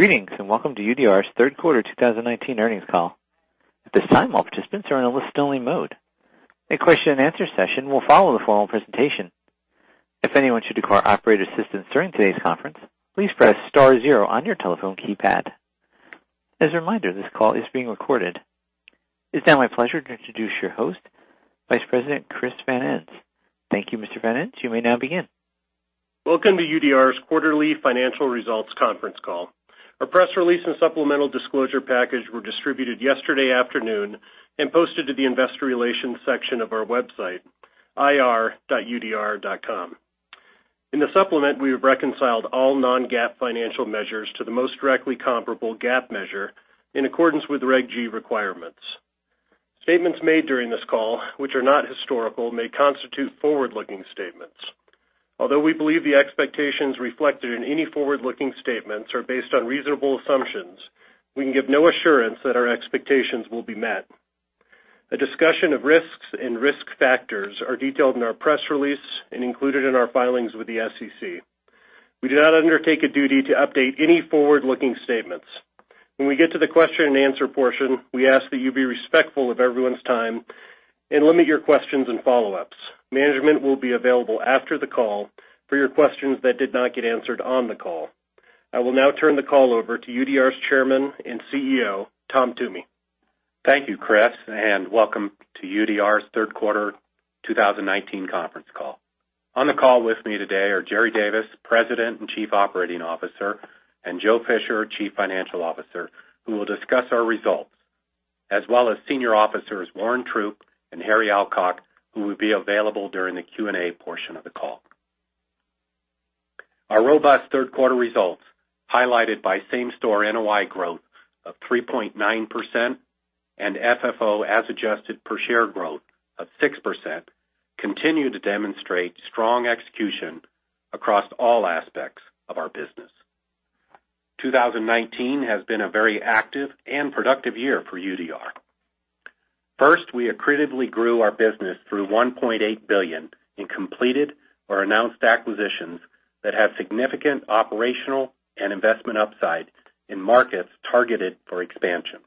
Greetings, and welcome to UDR's third quarter 2019 earnings call. At this time, all participants are in a listen only mode. A question and answer session will follow the formal presentation. If anyone should require operator assistance during today's conference, please press star zero on your telephone keypad. As a reminder, this call is being recorded. It's now my pleasure to introduce your host, Vice President Chris Van Ens. Thank you, Mr. Van Ens. You may now begin. Welcome to UDR's quarterly financial results conference call. Our press release and supplemental disclosure package were distributed yesterday afternoon and posted to the investor relations section of our website, ir.udr.com. In the supplement, we've reconciled all non-GAAP financial measures to the most directly comparable GAAP measure in accordance with Regulation G requirements. Statements made during this call, which are not historical, may constitute forward-looking statements. Although we believe the expectations reflected in any forward-looking statements are based on reasonable assumptions, we can give no assurance that our expectations will be met. A discussion of risks and risk factors are detailed in our press release and included in our filings with the SEC. We do not undertake a duty to update any forward-looking statements. When we get to the question and answer portion, we ask that you be respectful of everyone's time and limit your questions and follow-ups. Management will be available after the call for your questions that did not get answered on the call. I will now turn the call over to UDR's Chairman and CEO, Tom Toomey. Thank you, Chris, and welcome to UDR's third quarter 2019 conference call. On the call with me today are Jerry Davis, President and Chief Operating Officer, and Joe Fisher, Chief Financial Officer, who will discuss our results, as well as Senior Officers Warren Troupe and Harry Alcock, who will be available during the Q&A portion of the call. Our robust third quarter results, highlighted by same-store NOI growth of 3.9% and FFO as adjusted per share growth of 6%, continue to demonstrate strong execution across all aspects of our business. 2019 has been a very active and productive year for UDR. First, we accretively grew our business through $1.8 billion in completed or announced acquisitions that have significant operational and investment upside in markets targeted for expansion.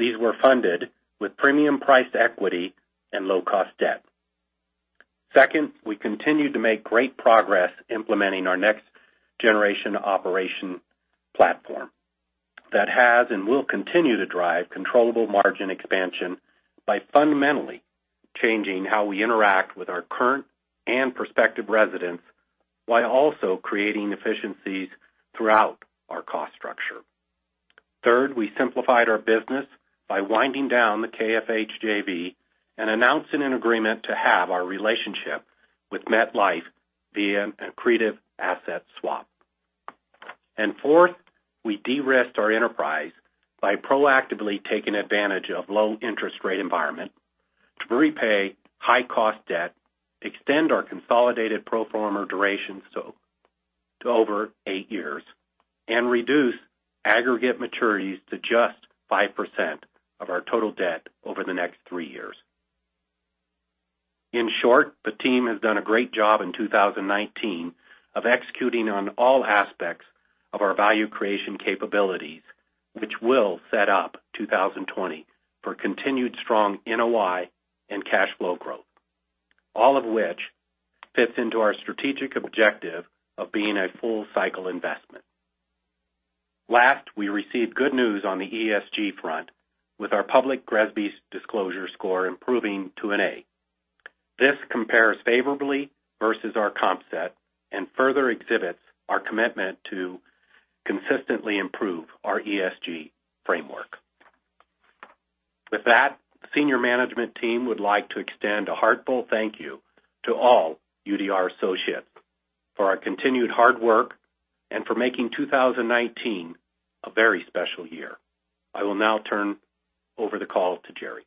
These were funded with premium priced equity and low cost debt. Second, we continued to make great progress implementing our Next Gen Operating Platform that has and will continue to drive controllable margin expansion by fundamentally changing how we interact with our current and prospective residents, while also creating efficiencies throughout our cost structure. Third, we simplified our business by winding down the KFH JV and announcing an agreement to have our relationship with MetLife via an accretive asset swap. Fourth, we de-risked our enterprise by proactively taking advantage of low interest rate environment to repay high cost debt, extend our consolidated pro forma durations to over eight years, and reduce aggregate maturities to just 5% of our total debt over the next three years. In short, the team has done a great job in 2019 of executing on all aspects of our value creation capabilities, which will set up 2020 for continued strong NOI and cash flow growth. All of which fits into our strategic objective of being a full cycle investment. We received good news on the ESG front with our public GRESB disclosure score improving to an A. This compares favorably versus our comp set and further exhibits our commitment to consistently improve our ESG framework. The senior management team would like to extend a heartfelt thank you to all UDR associates for our continued hard work and for making 2019 a very special year. I will now turn over the call to Jerry.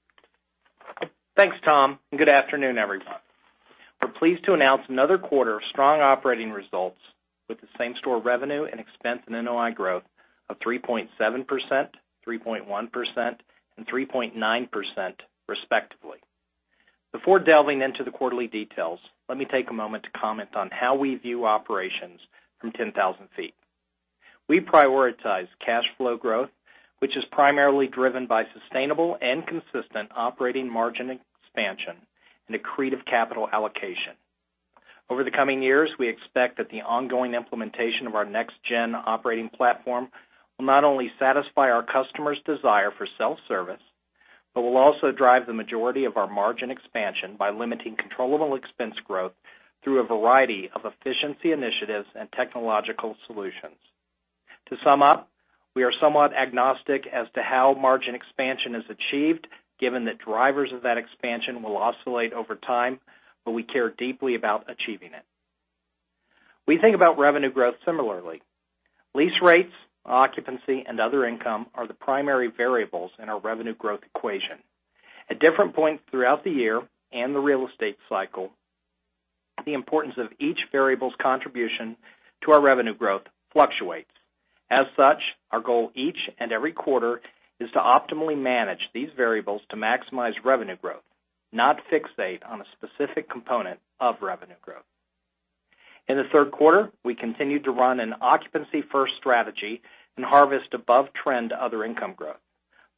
Thanks, Tom. Good afternoon, everyone. We're pleased to announce another quarter of strong operating results with the same-store revenue and expense and NOI growth of 3.7%, 3.1% and 3.9% respectively. Before delving into the quarterly details, let me take a moment to comment on how we view operations from 10,000 feet. We prioritize cash flow growth, which is primarily driven by sustainable and consistent operating margin expansion and accretive capital allocation. Over the coming years, we expect that the ongoing implementation of our Next Gen Operating Platform will not only satisfy our customers' desire for self-service, but will also drive the majority of our margin expansion by limiting controllable expense growth through a variety of efficiency initiatives and technological solutions. To sum up, we are somewhat agnostic as to how margin expansion is achieved, given that drivers of that expansion will oscillate over time, but we care deeply about achieving it. We think about revenue growth similarly. Lease rates, occupancy, and other income are the primary variables in our revenue growth equation. At different points throughout the year and the real estate cycle, the importance of each variable's contribution to our revenue growth fluctuates. As such, our goal each and every quarter is to optimally manage these variables to maximize revenue growth. Not fixate on a specific component of revenue growth. In the third quarter, we continued to run an occupancy-first strategy and harvest above-trend other income growth,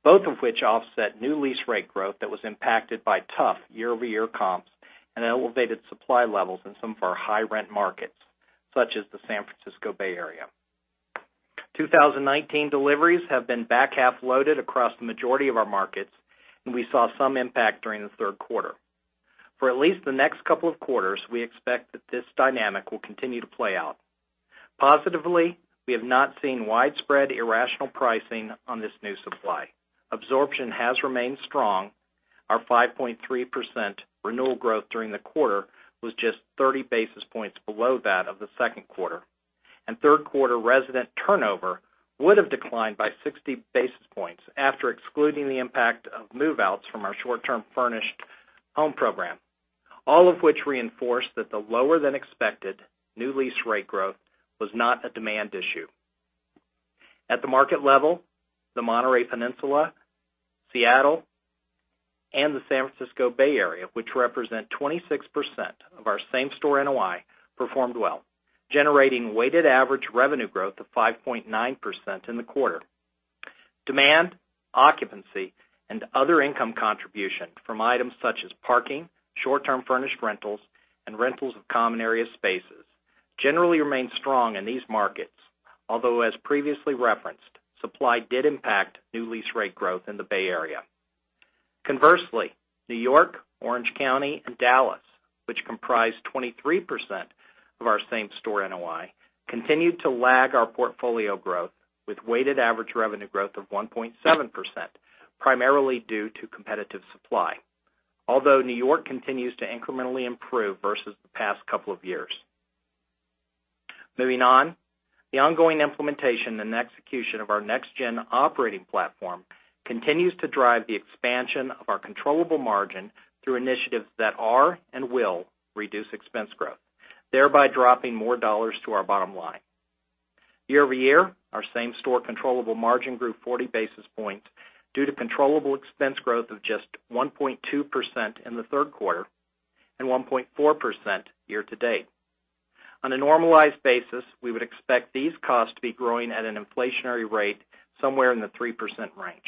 both of which offset new lease rate growth that was impacted by tough year-over-year comps and elevated supply levels in some of our high-rent markets, such as the San Francisco Bay Area. 2019 deliveries have been back-half loaded across the majority of our markets, and we saw some impact during the third quarter. For at least the next couple of quarters, we expect that this dynamic will continue to play out. Positively, we have not seen widespread irrational pricing on this new supply. Absorption has remained strong. Our 5.3% renewal growth during the quarter was just 30 basis points below that of the second quarter. Third quarter resident turnover would have declined by 60 basis points after excluding the impact of move-outs from our short-term furnished home program. All of which reinforce that the lower-than-expected new lease rate growth was not a demand issue. At the market level, the Monterey Peninsula, Seattle, and the San Francisco Bay Area, which represent 26% of our same-store NOI, performed well, generating weighted average revenue growth of 5.9% in the quarter. Demand, occupancy, and other income contribution from items such as parking, short-term furnished rentals, and rentals of common area spaces generally remain strong in these markets, although, as previously referenced, supply did impact new lease rate growth in the Bay Area. Conversely, New York, Orange County, and Dallas, which comprise 23% of our same-store NOI, continued to lag our portfolio growth with weighted average revenue growth of 1.7%, primarily due to competitive supply. Although New York continues to incrementally improve versus the past couple of years. Moving on. The ongoing implementation and execution of our Next Gen Operating Platform continues to drive the expansion of our controllable margin through initiatives that are and will reduce expense growth, thereby dropping more dollars to our bottom line. Year-over-year, our same-store controllable margin grew 40 basis points due to controllable expense growth of just 1.2% in the third quarter and 1.4% year-to-date. On a normalized basis, we would expect these costs to be growing at an inflationary rate somewhere in the 3% range.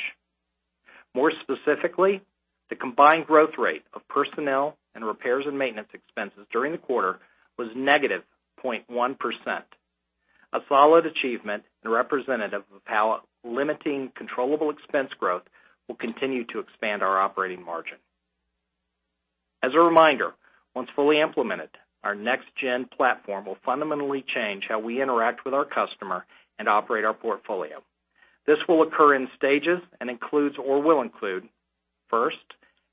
More specifically, the combined growth rate of personnel and repairs and maintenance expenses during the quarter was negative 0.1%, a solid achievement and representative of how limiting controllable expense growth will continue to expand our operating margin. As a reminder, once fully implemented, our Next Gen Operating Platform will fundamentally change how we interact with our customer and operate our portfolio. This will occur in stages and includes or will include, first,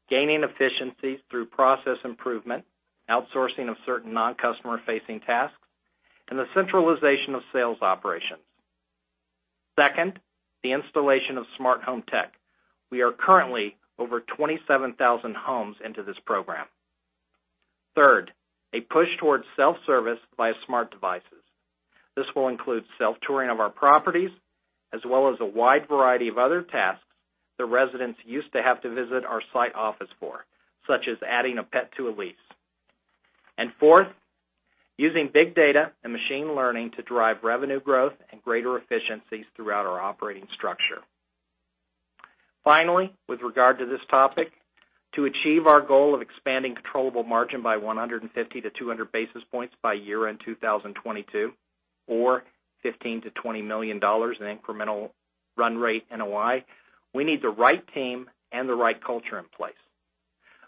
gaining efficiencies through process improvement, outsourcing of certain non-customer-facing tasks, and the centralization of sales operations. Second, the installation of smart home tech. We are currently over 27,000 homes into this program. Third, a push towards self-service via smart devices. This will include self-touring of our properties, as well as a wide variety of other tasks that residents used to have to visit our site office for, such as adding a pet to a lease. Fourth, using big data and machine learning to drive revenue growth and greater efficiencies throughout our operating structure. Finally, with regard to this topic, to achieve our goal of expanding controllable margin by 150-200 basis points by year-end 2022 or $15 million-$20 million in incremental run rate NOI, we need the right team and the right culture in place.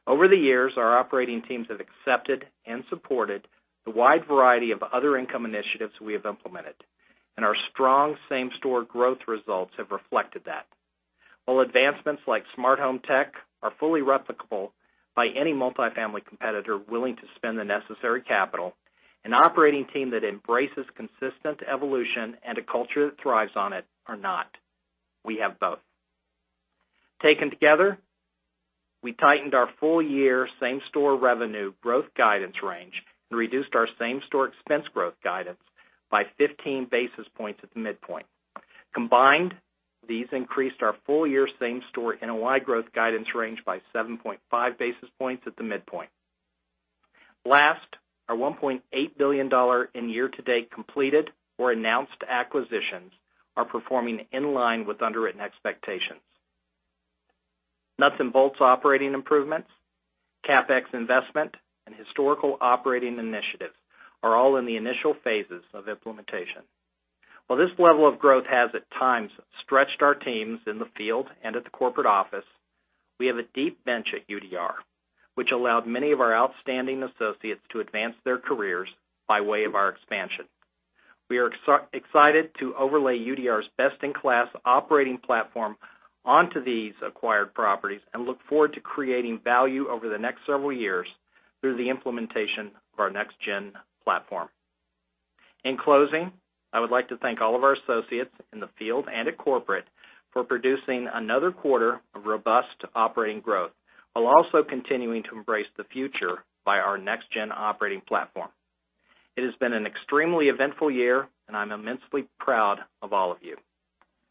Over the years, our operating teams have accepted and supported the wide variety of other income initiatives we have implemented. Our strong same-store growth results have reflected that. While advancements like smart home tech are fully replicable by any multifamily competitor willing to spend the necessary capital, an operating team that embraces consistent evolution and a culture that thrives on it are not. We have both. Taken together, we tightened our full-year same-store revenue growth guidance range and reduced our same-store expense growth guidance by 15 basis points at the midpoint. Combined, these increased our full-year same-store NOI growth guidance range by 7.5 basis points at the midpoint. Last, our $1.8 billion in year-to-date completed or announced acquisitions are performing in line with underwritten expectations. Nuts and bolts operating improvements, CapEx investment, and historical operating initiatives are all in the initial phases of implementation. While this level of growth has at times stretched our teams in the field and at the corporate office, we have a deep bench at UDR, which allowed many of our outstanding associates to advance their careers by way of our expansion. We are excited to overlay UDR's best-in-class operating platform onto these acquired properties and look forward to creating value over the next several years through the implementation of our Next-Gen platform. In closing, I would like to thank all of our associates in the field and at corporate for producing another quarter of robust operating growth while also continuing to embrace the future by our Next Gen Operating Platform. It has been an extremely eventful year, and I'm immensely proud of all of you.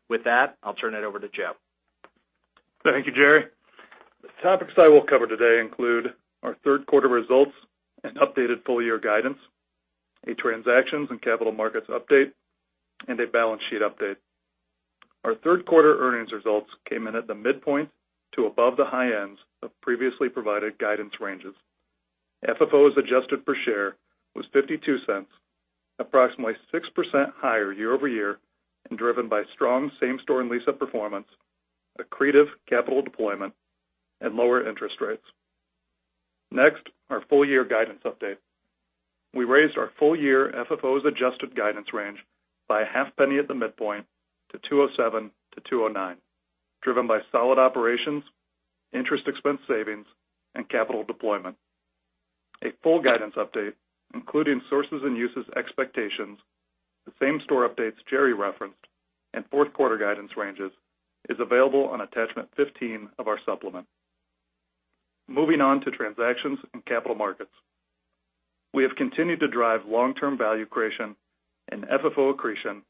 With that, I'll turn it over to Joe. Thank you, Jerry. The topics I will cover today include our third quarter results and updated full year guidance, a transactions and capital markets update, and a balance sheet update. Our third quarter earnings results came in at the midpoint to above the high ends of previously provided guidance ranges. FFOA per share was $0.52, approximately 6% higher year-over-year, and driven by strong same-store and lease-up performance, accretive capital deployment, and lower interest rates. Next, our full year guidance update. We raised our full year FFOA guidance range by a half penny at the midpoint to $2.07-$2.09, driven by solid operations, interest expense savings, and capital deployment. A full guidance update, including sources and uses expectations, the same-store updates Jerry referenced, and fourth quarter guidance ranges, is available on attachment 15 of our supplement. Moving on to transactions and capital markets. We have continued to drive long-term value creation and FFO accretion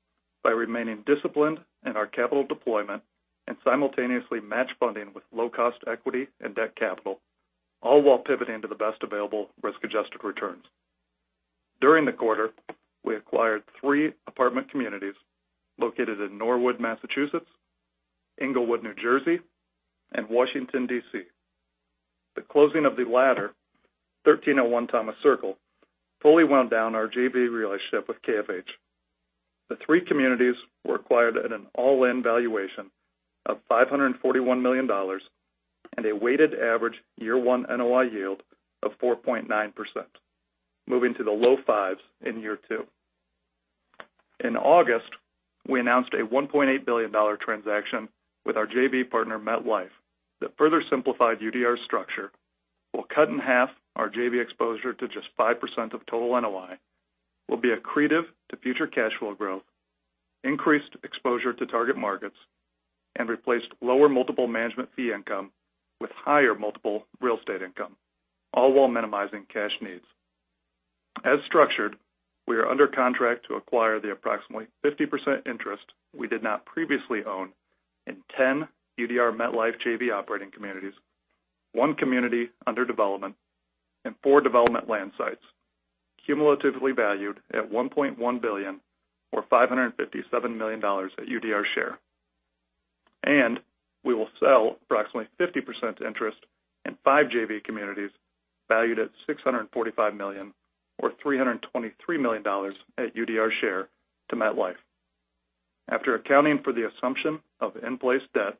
by remaining disciplined in our capital deployment and simultaneously match funding with low-cost equity and debt capital, all while pivoting to the best available risk-adjusted returns. During the quarter, we acquired three apartment communities located in Norwood, Massachusetts, Englewood, New Jersey, and Washington, D.C. The closing of the latter, 1301 Thomas Circle, fully wound down our JV relationship with KFH. The three communities were acquired at an all-in valuation of $541 million and a weighted average year one NOI yield of 4.9%, moving to the low fives in year two. In August, we announced a $1.8 billion transaction with our JV partner, MetLife, that further simplified UDR's structure, will cut in half our JV exposure to just 5% of total NOI, will be accretive to future cash flow growth, increased exposure to target markets, and replaced lower multiple management fee income with higher multiple real estate income, all while minimizing cash needs. As structured, we are under contract to acquire the approximately 50% interest we did not previously own in 10 UDR MetLife JV operating communities, one community under development, and four development land sites, cumulatively valued at $1.1 billion, or $557 million at UDR share. We will sell approximately 50% interest in five JV communities valued at $645 million, or $323 million at UDR share to MetLife. After accounting for the assumption of in-place debt,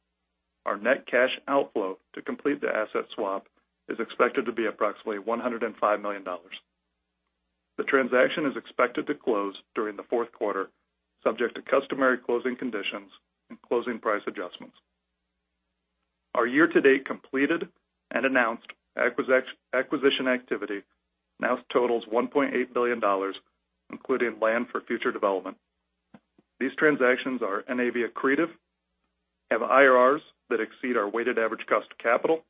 our net cash outflow to complete the asset swap is expected to be approximately $105 million. The transaction is expected to close during the fourth quarter, subject to customary closing conditions and closing price adjustments. Our year-to-date completed and announced acquisition activity now totals $1.8 billion, including land for future development. These transactions are NAV accretive, have IRRs that exceed our weighted average cost of capital,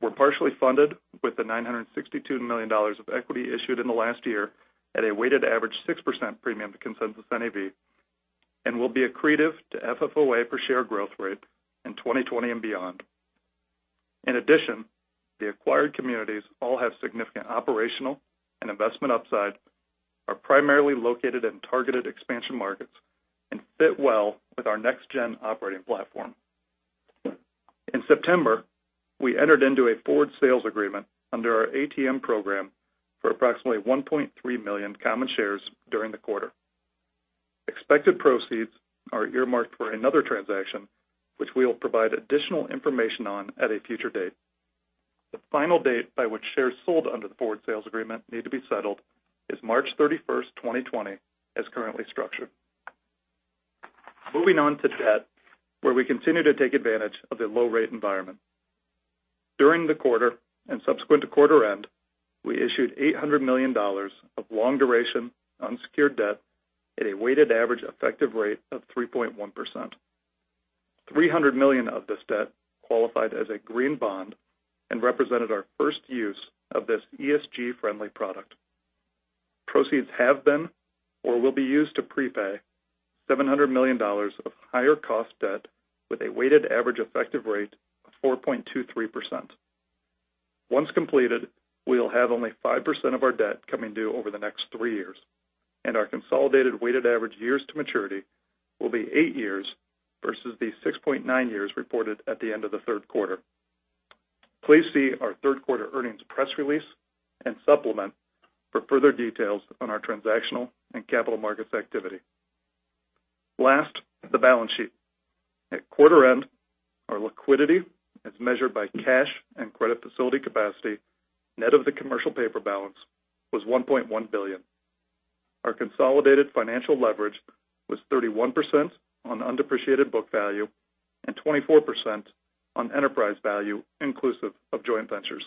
were partially funded with the $962 million of equity issued in the last year at a weighted average 6% premium to consensus NAV, and will be accretive to FFOA per share growth rate in 2020 and beyond. In addition, the acquired communities all have significant operational and investment upside, are primarily located in targeted expansion markets, and fit well with our Next Gen Operating Platform. In September, we entered into a forward sales agreement under our ATM program for approximately 1.3 million common shares during the quarter. Expected proceeds are earmarked for another transaction, which we will provide additional information on at a future date. The final date by which shares sold under the forward sales agreement need to be settled is March 31st, 2020, as currently structured. Moving on to debt, where we continue to take advantage of the low rate environment. During the quarter and subsequent to quarter end, we issued $800 million of long duration unsecured debt at a weighted average effective rate of 3.1%. $300 million of this debt qualified as a green bond and represented our first use of this ESG-friendly product. Proceeds have been or will be used to prepay $700 million of higher cost debt with a weighted average effective rate of 4.23%. Once completed, we will have only 5% of our debt coming due over the next three years, and our consolidated weighted average years to maturity will be eight years versus the 6.9 years reported at the end of the third quarter. Please see our third quarter earnings press release and supplement for further details on our transactional and capital markets activity. Last, the balance sheet. At quarter end, our liquidity as measured by cash and credit facility capacity, net of the commercial paper balance, was $1.1 billion. Our consolidated financial leverage was 31% on undepreciated book value and 24% on enterprise value inclusive of joint ventures.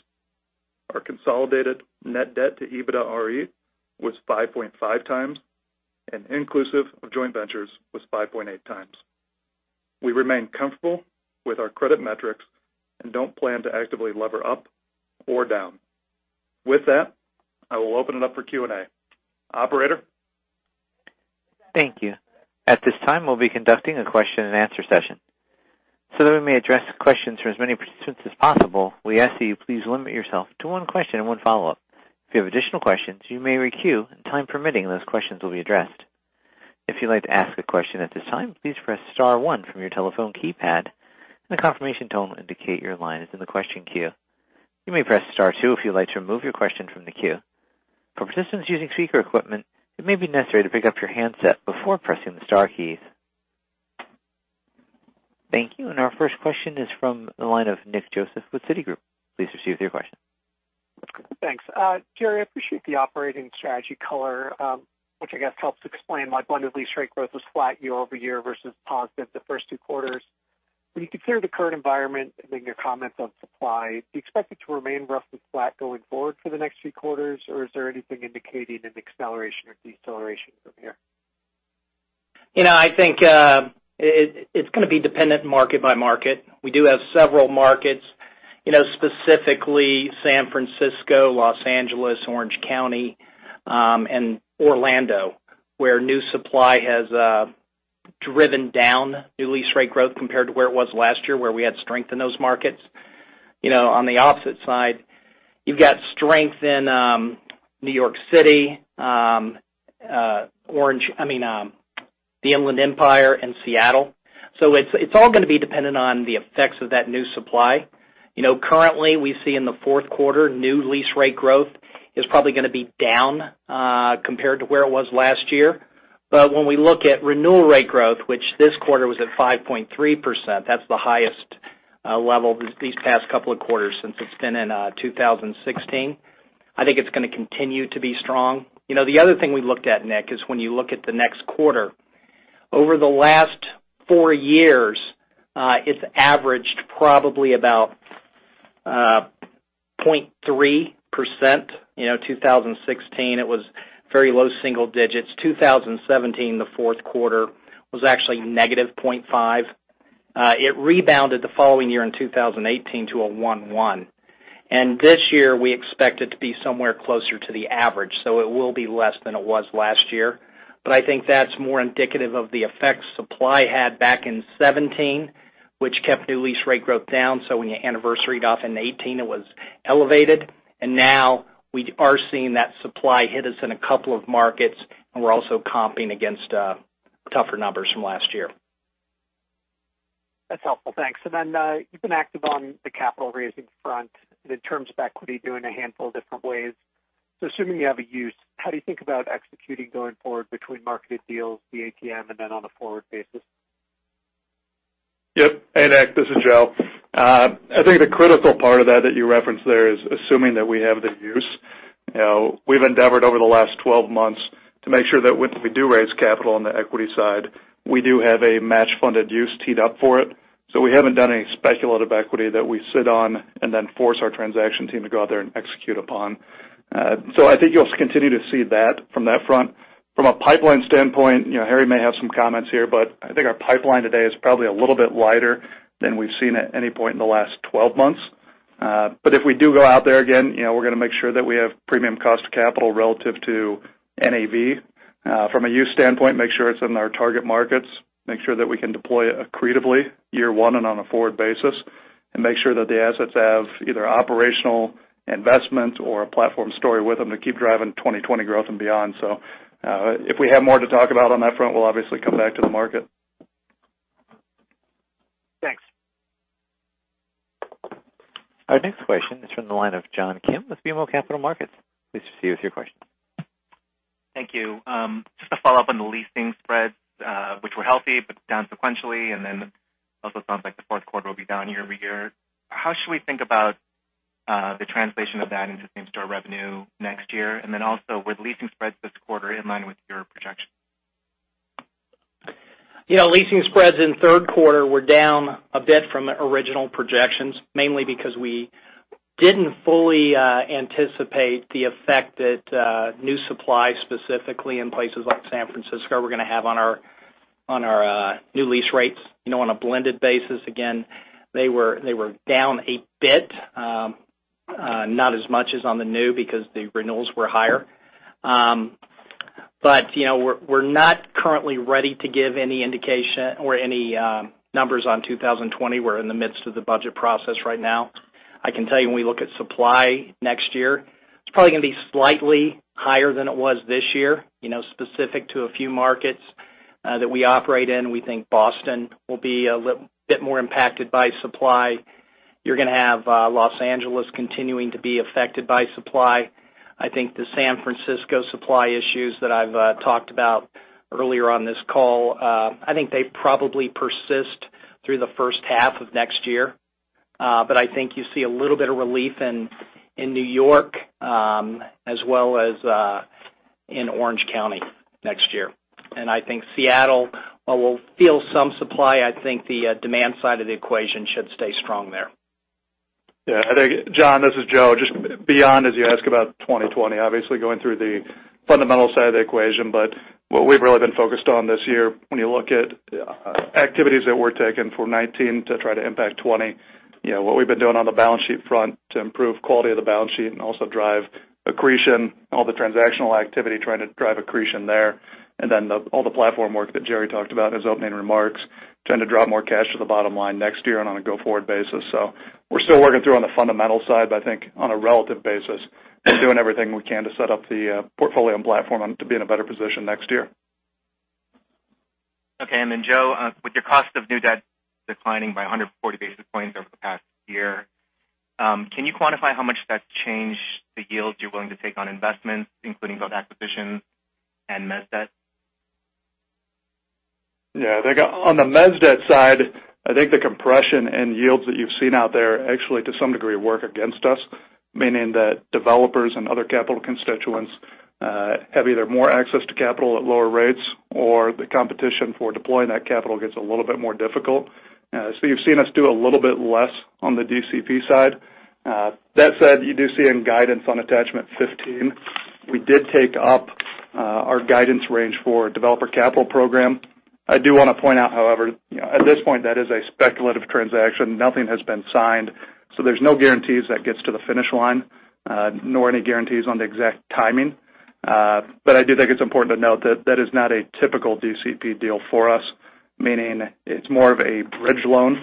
Our consolidated net debt to EBITDAre was 5.5 times, and inclusive of joint ventures was 5.8 times. We remain comfortable with our credit metrics and don't plan to actively lever up or down. With that, I will open it up for Q&A. Operator? Thank you. That we may address questions from as many participants as possible, we ask that you please limit yourself to one question and one follow-up. If you have additional questions, you may re-queue, and time permitting, those questions will be addressed. If you'd like to ask a question at this time, please press star one from your telephone keypad, and a confirmation tone will indicate your line is in the question queue. You may press star two if you'd like to remove your question from the queue. For participants using speaker equipment, it may be necessary to pick up your handset before pressing the star keys. Thank you. Our first question is from the line of Nick Joseph with Citigroup. Please proceed with your question. Thanks. Jerry, I appreciate the operating strategy color, which I guess helps explain why blended lease rate growth was flat year-over-year versus positive the first two quarters. When you consider the current environment and then your comments on supply, do you expect it to remain roughly flat going forward for the next few quarters, or is there anything indicating an acceleration or deceleration from here? I think it's going to be dependent market by market. We do have several markets, specifically San Francisco, Los Angeles, Orange County, and Orlando, where new supply has driven down new lease rate growth compared to where it was last year, where we had strength in those markets. On the opposite side, you've got strength in New York City, the Inland Empire, and Seattle. It's all going to be dependent on the effects of that new supply. Currently, we see in the fourth quarter, new lease rate growth is probably going to be down compared to where it was last year. When we look at renewal rate growth, which this quarter was at 5.3%, that's the highest level these past couple of quarters since it's been in 2016. I think it's going to continue to be strong. The other thing we looked at, Nick, is when you look at the next quarter. Over the last four years, it's averaged probably about 0.3%. 2016, it was very low single digits. 2017, the fourth quarter was actually negative 0.5. It rebounded the following year in 2018 to a 1.1. This year, we expect it to be somewhere closer to the average, so it will be less than it was last year. I think that's more indicative of the effects supply had back in 2017, which kept new lease rate growth down. When you anniversaried off in 2018, it was elevated. Now we are seeing that supply hit us in a couple of markets, and we're also comping against tougher numbers from last year. That's helpful. Thanks. Then you've been active on the capital-raising front in terms of equity, doing a handful of different ways. Assuming you have a use, how do you think about executing going forward between marketed deals, the ATM, and then on a forward basis? Yep. Hey, Nick. This is Joe. I think the critical part of that you referenced there is assuming that we have the use. We've endeavored over the last 12 months to make sure that when we do raise capital on the equity side, we do have a match-funded use teed up for it. We haven't done any speculative equity that we sit on and then force our transaction team to go out there and execute upon. I think you'll continue to see that from that front. From a pipeline standpoint, Harry may have some comments here, I think our pipeline today is probably a little bit lighter than we've seen at any point in the last 12 months. If we do go out there again, we're going to make sure that we have premium cost of capital relative to NAV. From a use standpoint, make sure it's in our target markets, make sure that we can deploy it accretively year one and on a forward basis, and make sure that the assets have either operational investment or a platform story with them to keep driving 2020 growth and beyond. If we have more to talk about on that front, we'll obviously come back to the market. Thanks. Our next question is from the line of John Kim with BMO Capital Markets. Please proceed with your question. Thank you. Just to follow up on the leasing spreads, which were healthy but down sequentially, and then also sounds like the fourth quarter will be down year-over-year. How should we think about the translation of that into same-store revenue next year? Were leasing spreads this quarter in line with your projection? Leasing spreads in the third quarter were down a bit from the original projections, mainly because we didn't fully anticipate the effect that new supply, specifically in places like San Francisco, were going to have on our new lease rates. On a blended basis, again, they were down a bit. Not as much as on the new because the renewals were higher. We're not currently ready to give any indication or any numbers on 2020. We're in the midst of the budget process right now. I can tell you, when we look at supply next year, it's probably going to be slightly higher than it was this year. Specific to a few markets that we operate in, we think Boston will be a bit more impacted by supply. You're going to have Los Angeles continuing to be affected by supply. I think the San Francisco supply issues that I've talked about earlier on this call, I think they probably persist through the first half of next year. I think you see a little bit of relief in New York as well as in Orange County next year. I think Seattle will feel some supply. I think the demand side of the equation should stay strong there. John, this is Joe. Beyond, as you ask about 2020, obviously going through the Fundamental side of the equation, what we've really been focused on this year, when you look at activities that were taken from 2019 to try to impact 2020, what we've been doing on the balance sheet front to improve quality of the balance sheet and also drive accretion, all the transactional activity, trying to drive accretion there. All the platform work that Jerry talked about in his opening remarks tend to drive more cash to the bottom line next year and on a go-forward basis. We're still working through on the fundamental side, I think on a relative basis, we're doing everything we can to set up the portfolio and platform to be in a better position next year. Okay. Then, Joe, with your cost of new debt declining by 140 basis points over the past year, can you quantify how much that's changed the yields you're willing to take on investments, including both acquisitions and mezz debt? On the mezz debt side, I think the compression in yields that you've seen out there actually, to some degree, work against us, meaning that developers and other capital constituents have either more access to capital at lower rates or the competition for deploying that capital gets a little bit more difficult. You've seen us do a little bit less on the DCP side. That said, you do see in guidance on Attachment 15, we did take up our guidance range for Developer Capital Program. I do want to point out, however, at this point, that is a speculative transaction. Nothing has been signed, there's no guarantees that gets to the finish line, nor any guarantees on the exact timing. I do think it's important to note that that is not a typical DCP deal for us, meaning it's more of a bridge loan,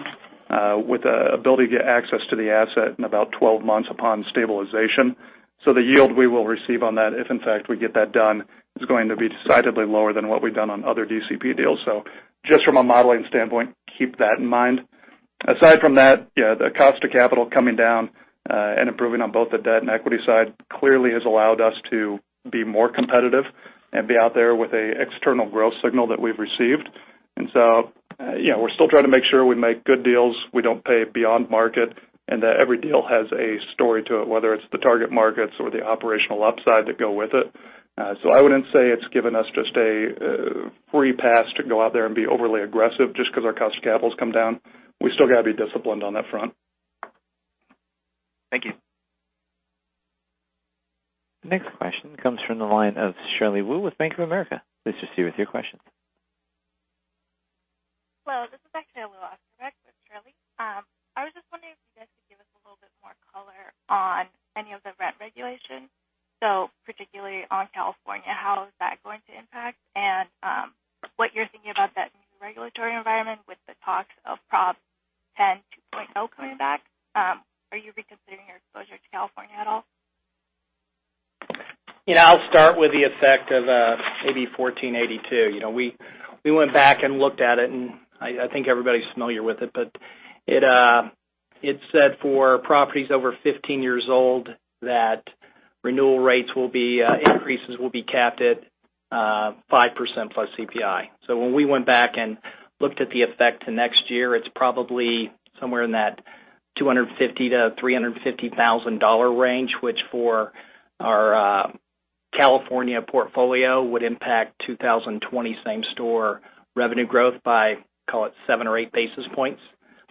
with the ability to get access to the asset in about 12 months upon stabilization. The yield we will receive on that, if in fact we get that done, is going to be decidedly lower than what we've done on other DCP deals. Just from a modeling standpoint, keep that in mind. Aside from that, the cost of capital coming down, and improving on both the debt and equity side clearly has allowed us to be more competitive and be out there with an external growth signal that we've received. We're still trying to make sure we make good deals, we don't pay beyond market, and that every deal has a story to it, whether it's the target markets or the operational upside that go with it. I wouldn't say it's given us just a free pass to go out there and be overly aggressive just because our cost of capital's come down. We still got to be disciplined on that front. Thank you. Next question comes from the line of Shirley Wu with Bank of America. Please proceed with your questions. Well, this is actually Alok Oskarek with Shirley. I was just wondering if you guys could give us a little bit more color on any of the rent regulation, particularly on California, how is that going to impact, and what you're thinking about that new regulatory environment with the talks of Proposition 10 2.0 coming back. Are you reconsidering your exposure to California at all? I'll start with the effect of AB 1482. We went back and looked at it, and I think everybody's familiar with it, but it said for properties over 15 years old that renewal rates increases will be capped at 5% plus CPI. When we went back and looked at the effect to next year, it's probably somewhere in that $250,000-$350,000 range, which for our California portfolio would impact 2020 same store revenue growth by, call it, seven or eight basis points,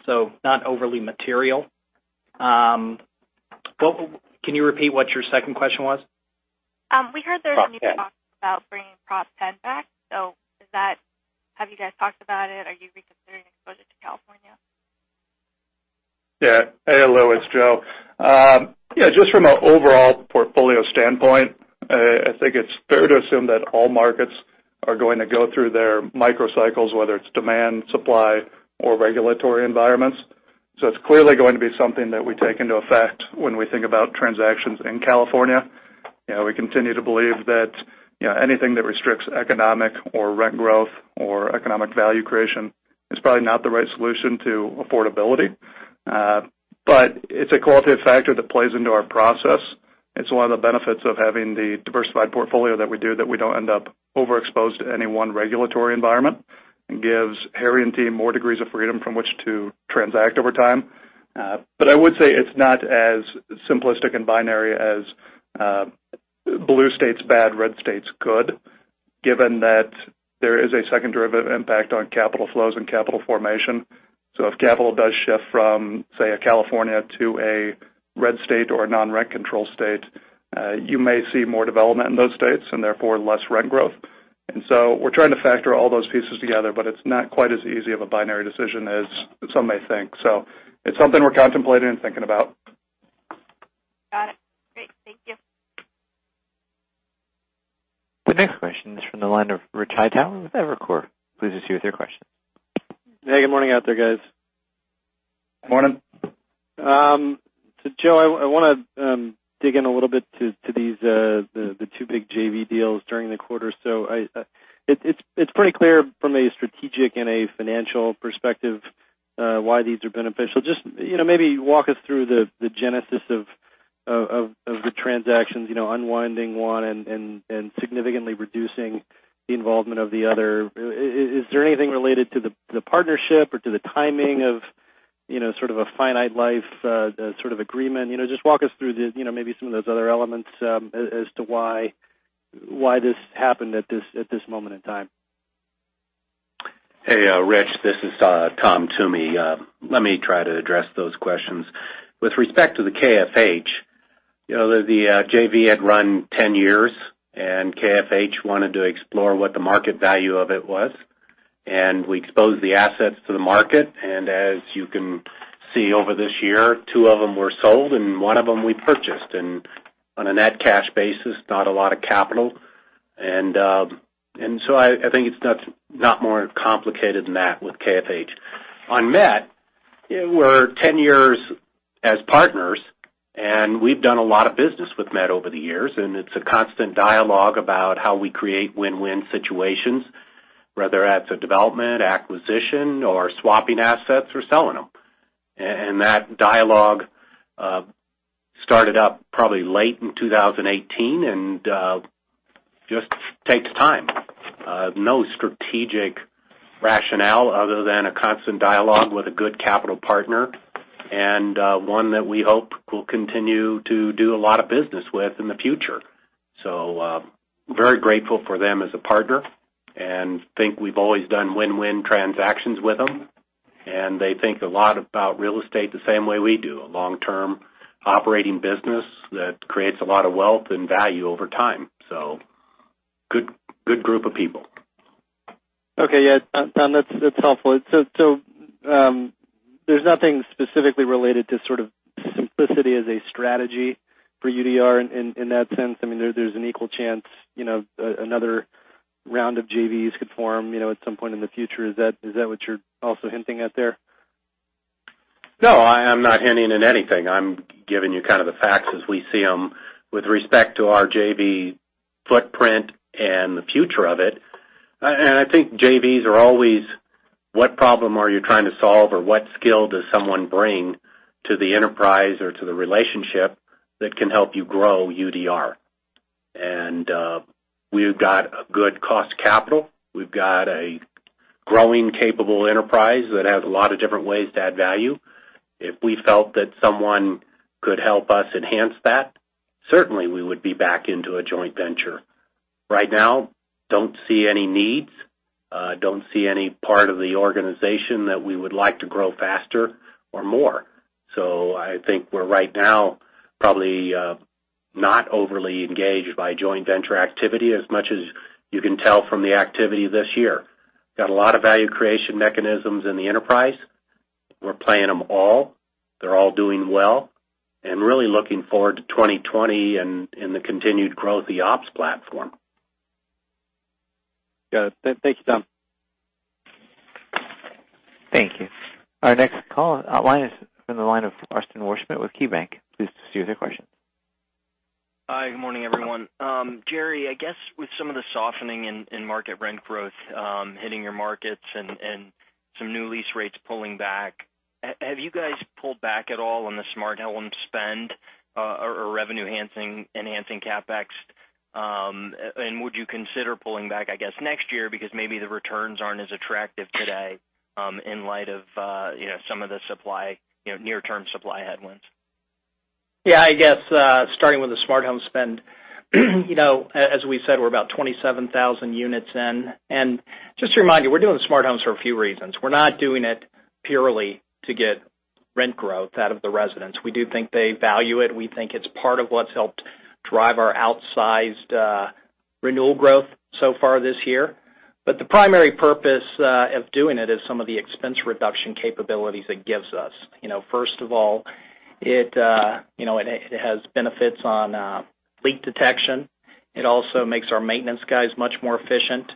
so not overly material. Can you repeat what your second question was? We heard there's. Okay new talks about bringing Proposition 10 back. Have you guys talked about it? Are you reconsidering exposure to California? Hey, Alok. It's Joe. Just from an overall portfolio standpoint, I think it's fair to assume that all markets are going to go through their micro cycles, whether it's demand, supply, or regulatory environments. It's clearly going to be something that we take into effect when we think about transactions in California. We continue to believe that anything that restricts economic or rent growth or economic value creation is probably not the right solution to affordability. It's a qualitative factor that plays into our process. It's one of the benefits of having the diversified portfolio that we do, that we don't end up overexposed to any one regulatory environment. It gives Harry and team more degrees of freedom from which to transact over time. I would say it's not as simplistic and binary as blue states bad, red states good, given that there is a second derivative impact on capital flows and capital formation. If capital does shift from, say, a California to a red state or a non-rent control state, you may see more development in those states and therefore less rent growth. We're trying to factor all those pieces together, but it's not quite as easy of a binary decision as some may think. It's something we're contemplating and thinking about. Got it. Great. Thank you. The next question is from the line of Richard Hightower with Evercore. Please proceed with your question. Hey, good morning out there, guys. Morning. Joe, I want to dig in a little bit to the two big JV deals during the quarter. It's pretty clear from a strategic and a financial perspective why these are beneficial. Just maybe walk us through the genesis of the transactions, unwinding one and significantly reducing the involvement of the other. Is there anything related to the partnership or to the timing of sort of a finite life sort of agreement? Just walk us through maybe some of those other elements as to why this happened at this moment in time. Hey, Rich, this is Tom Toomey. Let me try to address those questions. With respect to the KFH, the JV had run 10 years, and KFH wanted to explore what the market value of it was, and we exposed the assets to the market. As you can see over this year, two of them were sold and one of them we purchased. On a net cash basis, not a lot of capital. I think it's not more complicated than that with KFH. On MET, we're 10 years as partners, and we've done a lot of business with MET over the years, and it's a constant dialogue about how we create win-win situations, whether that's a development, acquisition or swapping assets or selling them. That dialogue started up probably late in 2018 and just takes time. No strategic rationale other than a constant dialogue with a good capital partner and one that we hope we'll continue to do a lot of business with in the future. Very grateful for them as a partner and think we've always done win-win transactions with them. They think a lot about real estate the same way we do, a long-term operating business that creates a lot of wealth and value over time. Good group of people. Yeah, Tom, that's helpful. There's nothing specifically related to sort of simplicity as a strategy for UDR in that sense. There's an equal chance another round of JVs could form at some point in the future. Is that what you're also hinting at there? No, I'm not hinting at anything. I'm giving you kind of the facts as we see them with respect to our JV footprint and the future of it. I think JVs are always what problem are you trying to solve or what skill does someone bring to the enterprise or to the relationship that can help you grow UDR. We've got a good cost capital. We've got a growing capable enterprise that has a lot of different ways to add value. If we felt that someone could help us enhance that, certainly we would be back into a joint venture. Right now, don't see any needs, don't see any part of the organization that we would like to grow faster or more. I think we're right now probably not overly engaged by joint venture activity as much as you can tell from the activity this year. Got a lot of value creation mechanisms in the enterprise. We're playing them all. They're all doing well. Really looking forward to 2020 and the continued growth of the ops platform. Got it. Thank you, Tom. Thank you. Our next call, our line is from the line of Austin Wurschmidt with KeyBanc. Please proceed with your question. Hi, good morning, everyone. Jerry, I guess with some of the softening in market rent growth hitting your markets and some new lease rates pulling back, have you guys pulled back at all on the smart home spend or revenue-enhancing CapEx? Would you consider pulling back, I guess, next year because maybe the returns aren't as attractive today in light of some of the near-term supply headwinds? Yeah, I guess starting with the smart home spend. As we said, we're about 27,000 units in. Just to remind you, we're doing the smart homes for a few reasons. We're not doing it purely to get rent growth out of the residents. We do think they value it. We think it's part of what's helped drive our outsized renewal growth so far this year. The primary purpose of doing it is some of the expense reduction capabilities it gives us. First of all, it has benefits on leak detection. It also makes our maintenance guys much more efficient.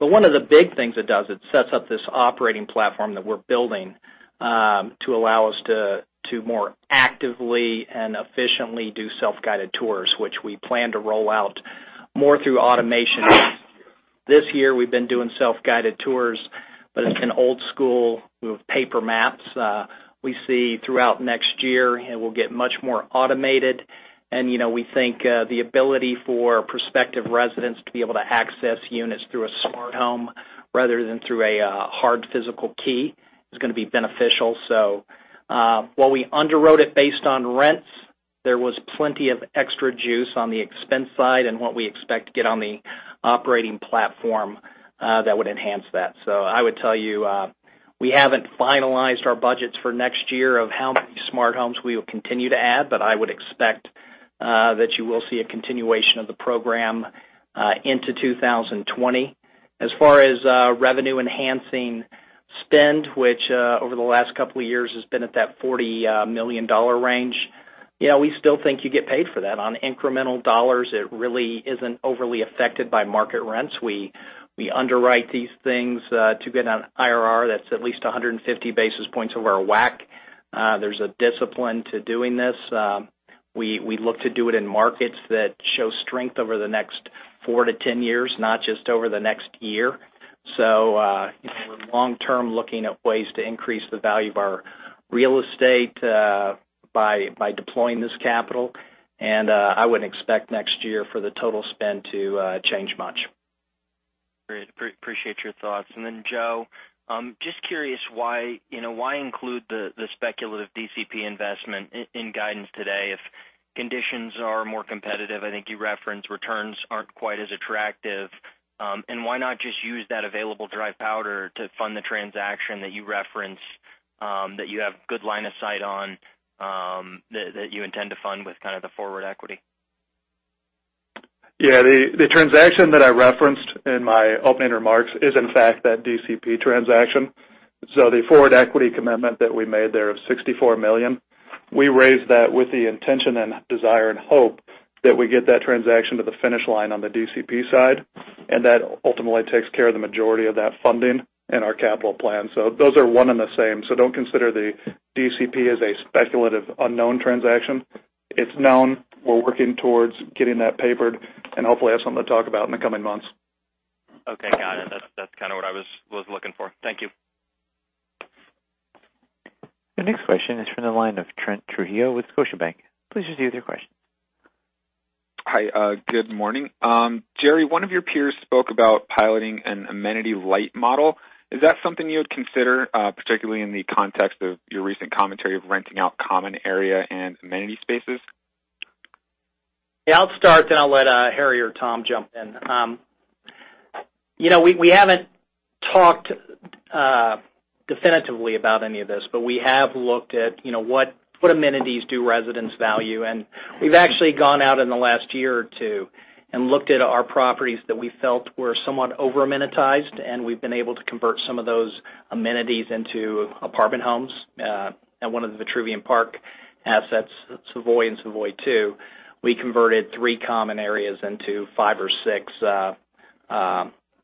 One of the big things it does, it sets up this operating platform that we're building to allow us to more actively and efficiently do self-guided tours, which we plan to roll out more through automation. This year, we've been doing self-guided tours, it's been old school with paper maps. We see throughout next year, it will get much more automated, we think the ability for prospective residents to be able to access units through a smart home rather than through a hard physical key is going to be beneficial. While we underwrote it based on rents, there was plenty of extra juice on the expense side and what we expect to get on the operating platform that would enhance that. I would tell you we haven't finalized our budgets for next year of how many smart homes we will continue to add, I would expect that you will see a continuation of the program into 2020. As far as revenue-enhancing spend, which over the last couple of years has been at that $40 million range, we still think you get paid for that. On incremental dollars, it really isn't overly affected by market rents. We underwrite these things to get an IRR that's at least 150 basis points over our WACC. There's a discipline to doing this. We look to do it in markets that show strength over the next four to 10 years, not just over the next year. We're long-term looking at ways to increase the value of our real estate by deploying this capital, and I wouldn't expect next year for the total spend to change much. Great. Appreciate your thoughts. Joe, just curious why include the speculative DCP investment in guidance today if conditions are more competitive? I think you referenced returns aren't quite as attractive. Why not just use that available dry powder to fund the transaction that you referenced? that you have good line of sight on, that you intend to fund with kind of the forward equity? Yeah. The transaction that I referenced in my opening remarks is in fact that DCP transaction. The forward equity commitment that we made there of $64 million, we raised that with the intention and desire and hope that we get that transaction to the finish line on the DCP side, and that ultimately takes care of the majority of that funding and our capital plan. Those are one and the same. Don't consider the DCP as a speculative unknown transaction. It's known. We're working towards getting that papered, and hopefully have something to talk about in the coming months. Okay. Got it. That's kind of what I was looking for. Thank you. The next question is from the line of Trent Trujillo with Scotiabank. Please proceed with your question. Hi. Good morning. Jerry, one of your peers spoke about piloting an amenity light model. Is that something you would consider, particularly in the context of your recent commentary of renting out common area and amenity spaces? Yeah, I'll start, then I'll let Harry or Tom jump in. We haven't talked definitively about any of this, but we have looked at what amenities do residents value, and we've actually gone out in the last one or two years and looked at our properties that we felt were somewhat over-amenitized, and we've been able to convert some of those amenities into apartment homes. At one of the Vitruvian Park assets, Savoye and Savoye2, we converted three common areas into five or six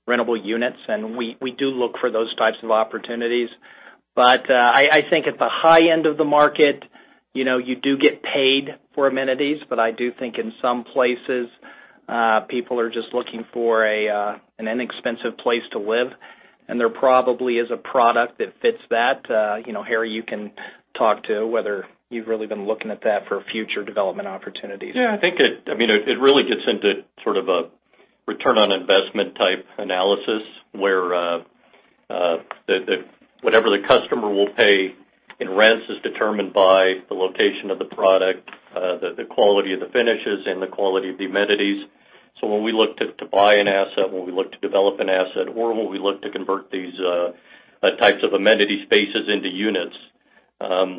rentable units, and we do look for those types of opportunities. I think at the high end of the market, you do get paid for amenities. I do think in some places, people are just looking for an inexpensive place to live, and there probably is a product that fits that. Harry, you can talk to whether you've really been looking at that for future development opportunities. It really gets into sort of a return on investment type analysis, where whatever the customer will pay in rents is determined by the location of the product, the quality of the finishes, and the quality of the amenities. When we look to buy an asset, when we look to develop an asset, or when we look to convert these types of amenity spaces into units,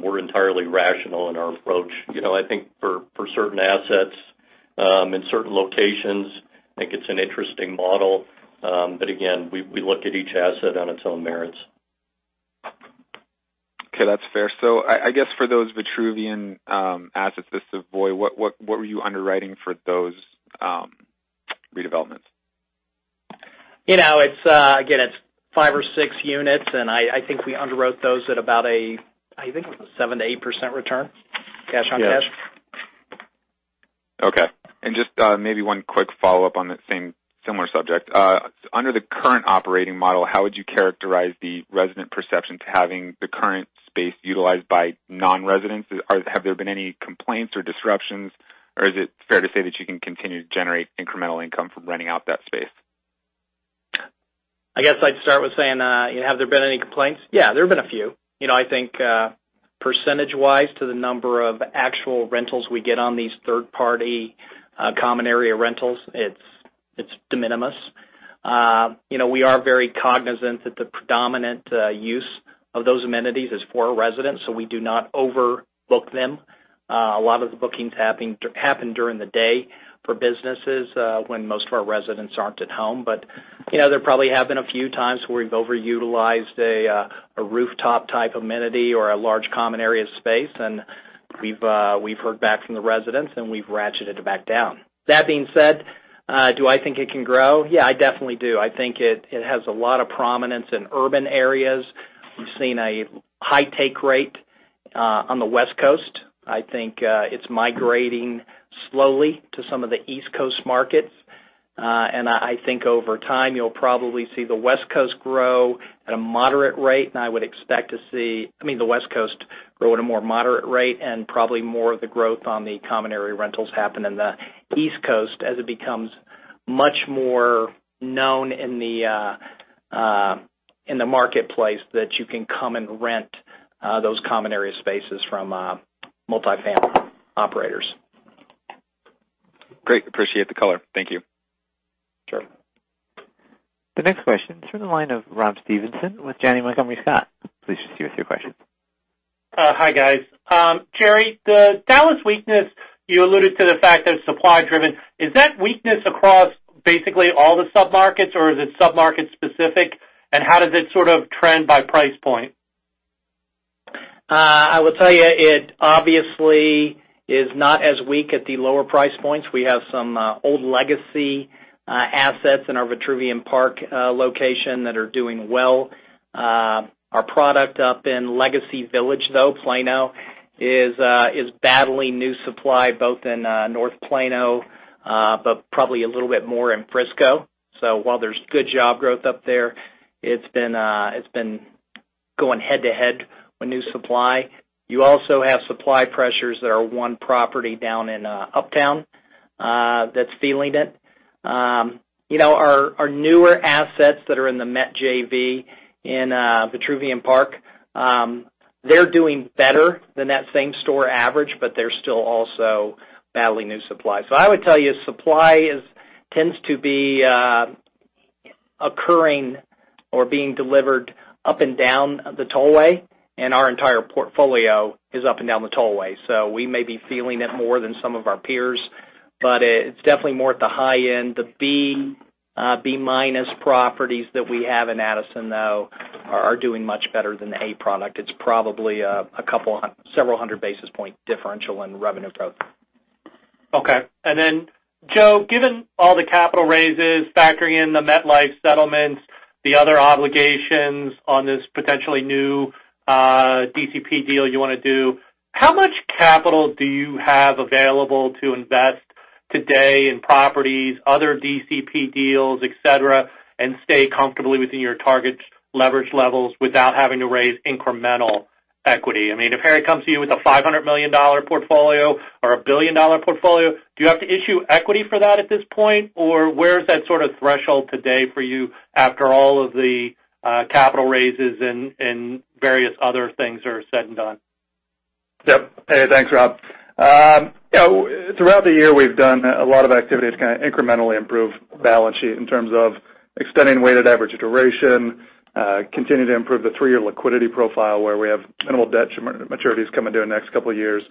we're entirely rational in our approach. I think for certain assets in certain locations, I think it's an interesting model. Again, we look at each asset on its own merits. Okay. That's fair. I guess for those Vitruvian assets, the Savoye, what were you underwriting for those redevelopments? Again, it's five or six units, and I think we underwrote those at about a, I think it was a 7%-8% return, cash on cash. Yes. Okay. Just maybe one quick follow-up on that same similar subject. Under the current operating model, how would you characterize the resident perception to having the current space utilized by non-residents? Have there been any complaints or disruptions, or is it fair to say that you can continue to generate incremental income from renting out that space? I guess I'd start with saying, have there been any complaints? Yeah, there have been a few. I think percentage-wise, to the number of actual rentals we get on these third-party common area rentals, it's de minimis. We are very cognizant that the predominant use of those amenities is for our residents, so we do not overbook them. A lot of the bookings happen during the day for businesses, when most of our residents aren't at home. There probably have been a few times where we've overutilized a rooftop-type amenity or a large common area space, and we've heard back from the residents, and we've ratcheted it back down. That being said, do I think it can grow? Yeah, I definitely do. I think it has a lot of prominence in urban areas. We've seen a high take rate on the West Coast. I think it's migrating slowly to some of the East Coast markets. I think over time, you'll probably see the West Coast grow at a moderate rate, and I would expect to see the West Coast grow at a more moderate rate and probably more of the growth on the common area rentals happen in the East Coast as it becomes much more known in the marketplace that you can come and rent those common area spaces from multifamily operators. Great. Appreciate the color. Thank you. Sure. The next question is from the line of Robert Stevenson with Janney Montgomery Scott. Please proceed with your question. Hi, guys. Jerry, the Dallas weakness, you alluded to the fact that it's supply driven. Is that weakness across basically all the submarkets, or is it submarket specific, and how does it sort of trend by price point? I would tell you it obviously is not as weak at the lower price points. We have some old legacy assets in our Vitruvian Park location that are doing well. Our product up in Legacy Village, though, Plano, is battling new supply both in North Plano, but probably a little bit more in Frisco. While there's good job growth up there, it's been going head to head with new supply. You also have supply pressures that are one property down in Uptown that's feeling it. Our newer assets that are in the MetJV in Vitruvian Park, they're doing better than that same store average, but they're still also battling new supply. I would tell you, supply tends to be occurring or being delivered up and down the tollway, and our entire portfolio is up and down the tollway. We may be feeling it more than some of our peers, but it's definitely more at the high end. The B-minus properties that we have in Addison, though, are doing much better than the A product. It's probably several hundred basis point differential in revenue growth. Okay. Joe, given all the capital raises, factoring in the MetLife settlements, the other obligations on this potentially new DCP deal you want to do, how much capital do you have available to invest today in properties, other DCP deals, et cetera, and stay comfortably within your target leverage levels without having to raise incremental equity? If Harry comes to you with a $500 million portfolio or a billion-dollar portfolio, do you have to issue equity for that at this point? Where is that sort of threshold today for you after all of the capital raises and various other things are said and done? Yep. Hey, thanks, Rob. Throughout the year, we've done a lot of activities to kind of incrementally improve balance sheet in terms of extending weighted average duration, continue to improve the 3-year liquidity profile, where we have minimal debt maturities coming due in the next couple of years,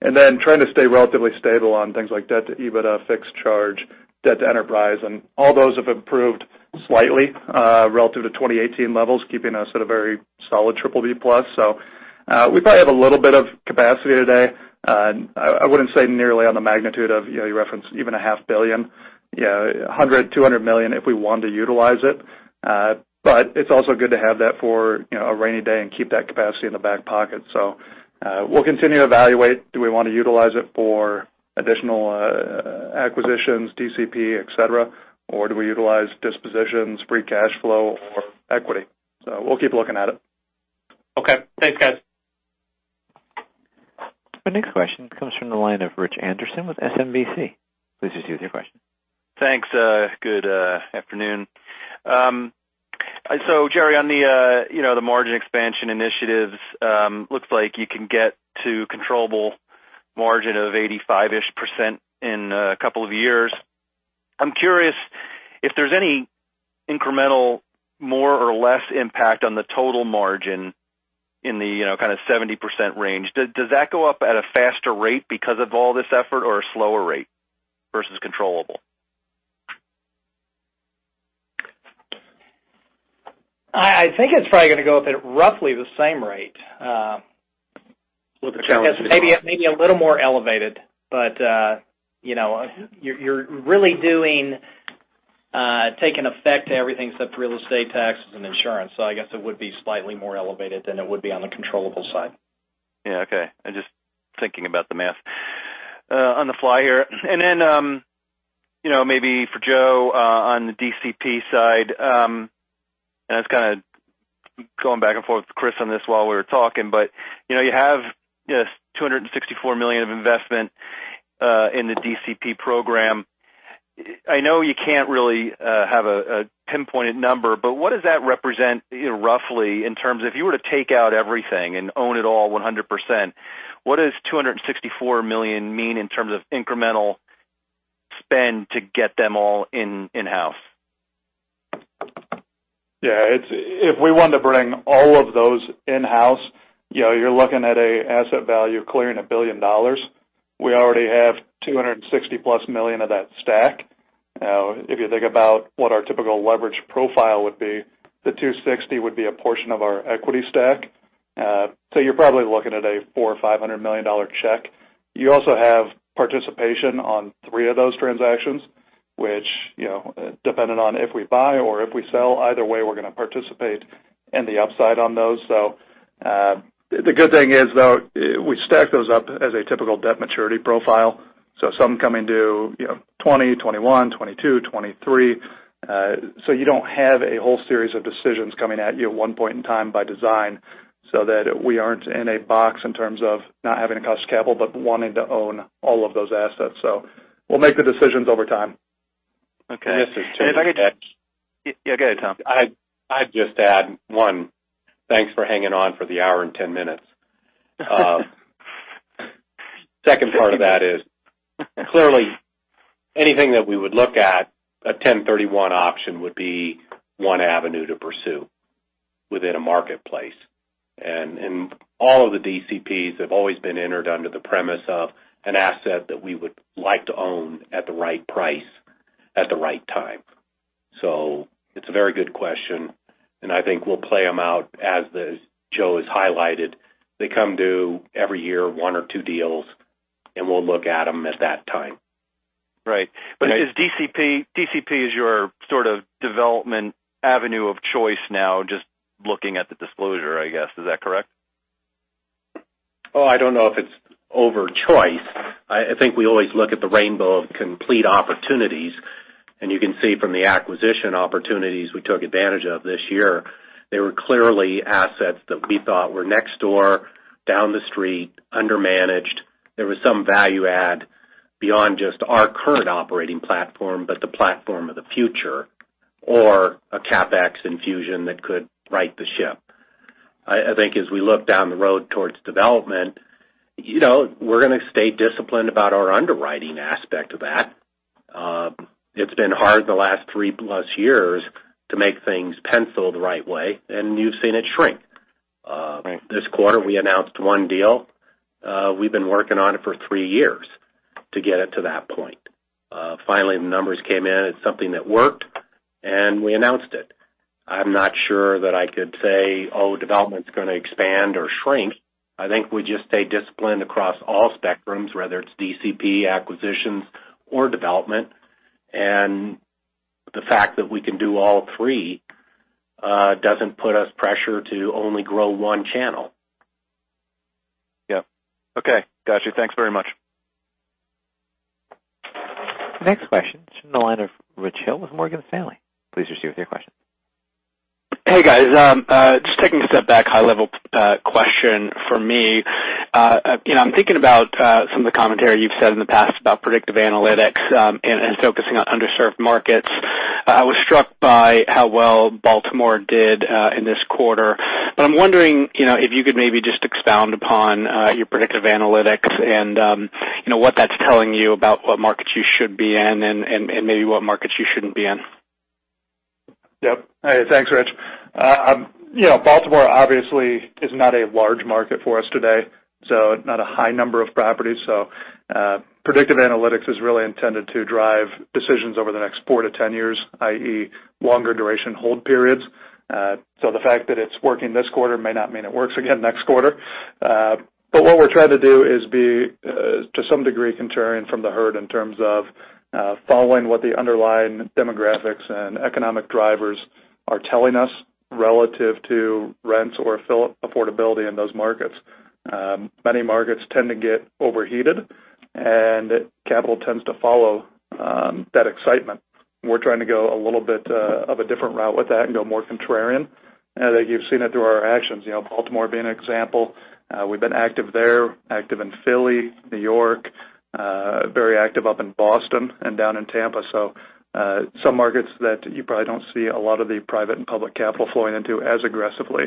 and then trying to stay relatively stable on things like debt-to-EBITDAre, fixed charge, debt-to-enterprise. All those have improved slightly, relative to 2018 levels, keeping us at a very solid triple B-plus. We probably have a little bit of capacity today. I wouldn't say nearly on the magnitude of, you referenced even a half billion. Yeah, $100 million, $200 million if we want to utilize it. It's also good to have that for a rainy day and keep that capacity in the back pocket. We'll continue to evaluate, do we want to utilize it for additional acquisitions, DCP, et cetera, or do we utilize dispositions, free cash flow, or equity? We'll keep looking at it. Okay. Thanks, guys. The next question comes from the line of Richard Anderson with SMBC. Please proceed with your question. Thanks. Good afternoon. Jerry, on the margin expansion initiatives, looks like you can get to controllable margin of 85%-ish in a couple of years. I'm curious if there's any incremental more or less impact on the total margin in the kind of 70% range. Does that go up at a faster rate because of all this effort or a slower rate versus controllable? I think it's probably gonna go up at roughly the same rate. With the challenges- Maybe a little more elevated, but you're really taking an effect to everything except real estate taxes and insurance. I guess it would be slightly more elevated than it would be on the controllable side. Yeah. Okay. I'm just thinking about the math on the fly here. Then, maybe for Joe, on the DCP side, I was kind of going back and forth with Chris on this while we were talking, you have this $264 million of investment in the DCP program. I know you can't really have a pinpointed number, what does that represent roughly in terms of if you were to take out everything and own it all 100%, what does $264 million mean in terms of incremental spend to get them all in-house? Yeah. If we want to bring all of those in-house, you're looking at an asset value clearing $1 billion. We already have $260+ million of that stack. If you think about what our typical leverage profile would be, the $260 would be a portion of our equity stack. You're probably looking at a $400 million or $500 million check. You also have participation on three of those transactions, which, dependent on if we buy or if we sell, either way, we're gonna participate in the upside on those. The good thing is, though, we stack those up as a typical debt maturity profile, so some coming due 2020, 2021, 2022, 2023. You don't have a whole series of decisions coming at you at one point in time by design, so that we aren't in a box in terms of not having the cost of capital, but wanting to own all of those assets. We'll make the decisions over time. Okay. This is Tom. Yeah, go ahead, Tom. I'd just add, one, thanks for hanging on for the hour and 10 minutes. Second part of that is, clearly, anything that we would look at, a 1031 option would be one avenue to pursue within a marketplace. All of the DCPs have always been entered under the premise of an asset that we would like to own at the right price at the right time. It's a very good question, and I think we'll play them out as Joe has highlighted. They come due every year, one or two deals, and we'll look at them at that time. Right. Is DCP your sort of development avenue of choice now, just looking at the disclosure, I guess? Is that correct? I don't know if it's over choice. I think we always look at the rainbow of complete opportunities, and you can see from the acquisition opportunities we took advantage of this year, they were clearly assets that we thought were next door, down the street, under-managed. There was some value add beyond just our current operating platform, but the platform of the future, or a CapEx infusion that could right the ship. I think as we look down the road towards development, we're going to stay disciplined about our underwriting aspect of that. It's been hard the last three-plus years to make things penciled the right way, and you've seen it shrink. Right. This quarter, we announced one deal. We've been working on it for three years to get it to that point. Finally, the numbers came in, it's something that worked, and we announced it. I'm not sure that I could say, oh, development's going to expand or shrink. I think we just stay disciplined across all spectrums, whether it's DCP, acquisitions, or development. The fact that we can do all three, doesn't put us pressure to only grow one channel. Yeah. Okay. Got you. Thanks very much. The next question is from the line of Richard Hill with Morgan Stanley. Please proceed with your question. Hey, guys. Just taking a step back, high-level question for me. I'm thinking about some of the commentary you've said in the past about predictive analytics, and focusing on underserved markets. I was struck by how well Baltimore did in this quarter. I'm wondering if you could maybe just expound upon your predictive analytics and what that's telling you about what markets you should be in and maybe what markets you shouldn't be in. Yep. Hey, thanks, Rich. Baltimore obviously is not a large market for us today, so not a high number of properties. Predictive analytics is really intended to drive decisions over the next four to 10 years, i.e., longer duration hold periods. The fact that it's working this quarter may not mean it works again next quarter. What we're trying to do is be, to some degree, contrarian from the herd in terms of following what the underlying demographics and economic drivers are telling us relative to rents or affordability in those markets. Many markets tend to get overheated, and capital tends to follow that excitement. We're trying to go a little bit of a different route with that and go more contrarian. You've seen it through our actions, Baltimore being an example. We've been active there, active in Philly, New York, very active up in Boston and down in Tampa. Some markets that you probably don't see a lot of the private and public capital flowing into as aggressively.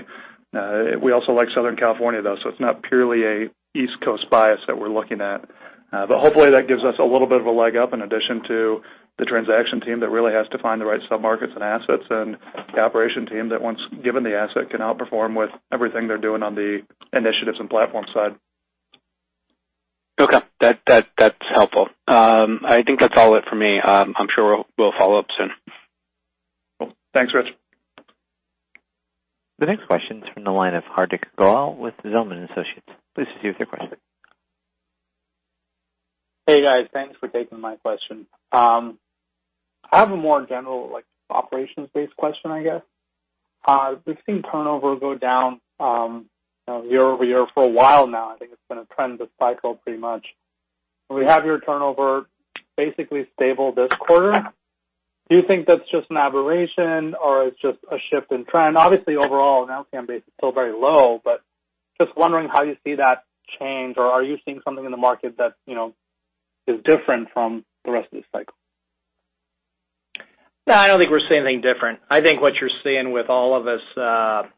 We also like Southern California, though, so it's not purely an East Coast bias that we're looking at. Hopefully, that gives us a little bit of a leg up in addition to the transaction team that really has to find the right sub-markets and assets, and the operation team that once given the asset, can outperform with everything they're doing on the initiatives and platform side. Okay. That's helpful. I think that's all it for me. I'm sure we'll follow up soon. Cool. Thanks, Rich. The next question is from the line of Hardik Goel with Zelman & Associates. Please proceed with your question. Hey, guys. Thanks for taking my question. I have a more general operations-based question, I guess. We've seen turnover go down year-over-year for a while now. I think it's been a trend this cycle pretty much. We have your turnover basically stable this quarter. Do you think that's just an aberration or it's just a shift in trend? Obviously, overall, on a nowcast basis, still very low, but just wondering how you see that change, or are you seeing something in the market that is different from the rest of the cycle? I don't think we're seeing anything different. I think what you're seeing with all of us,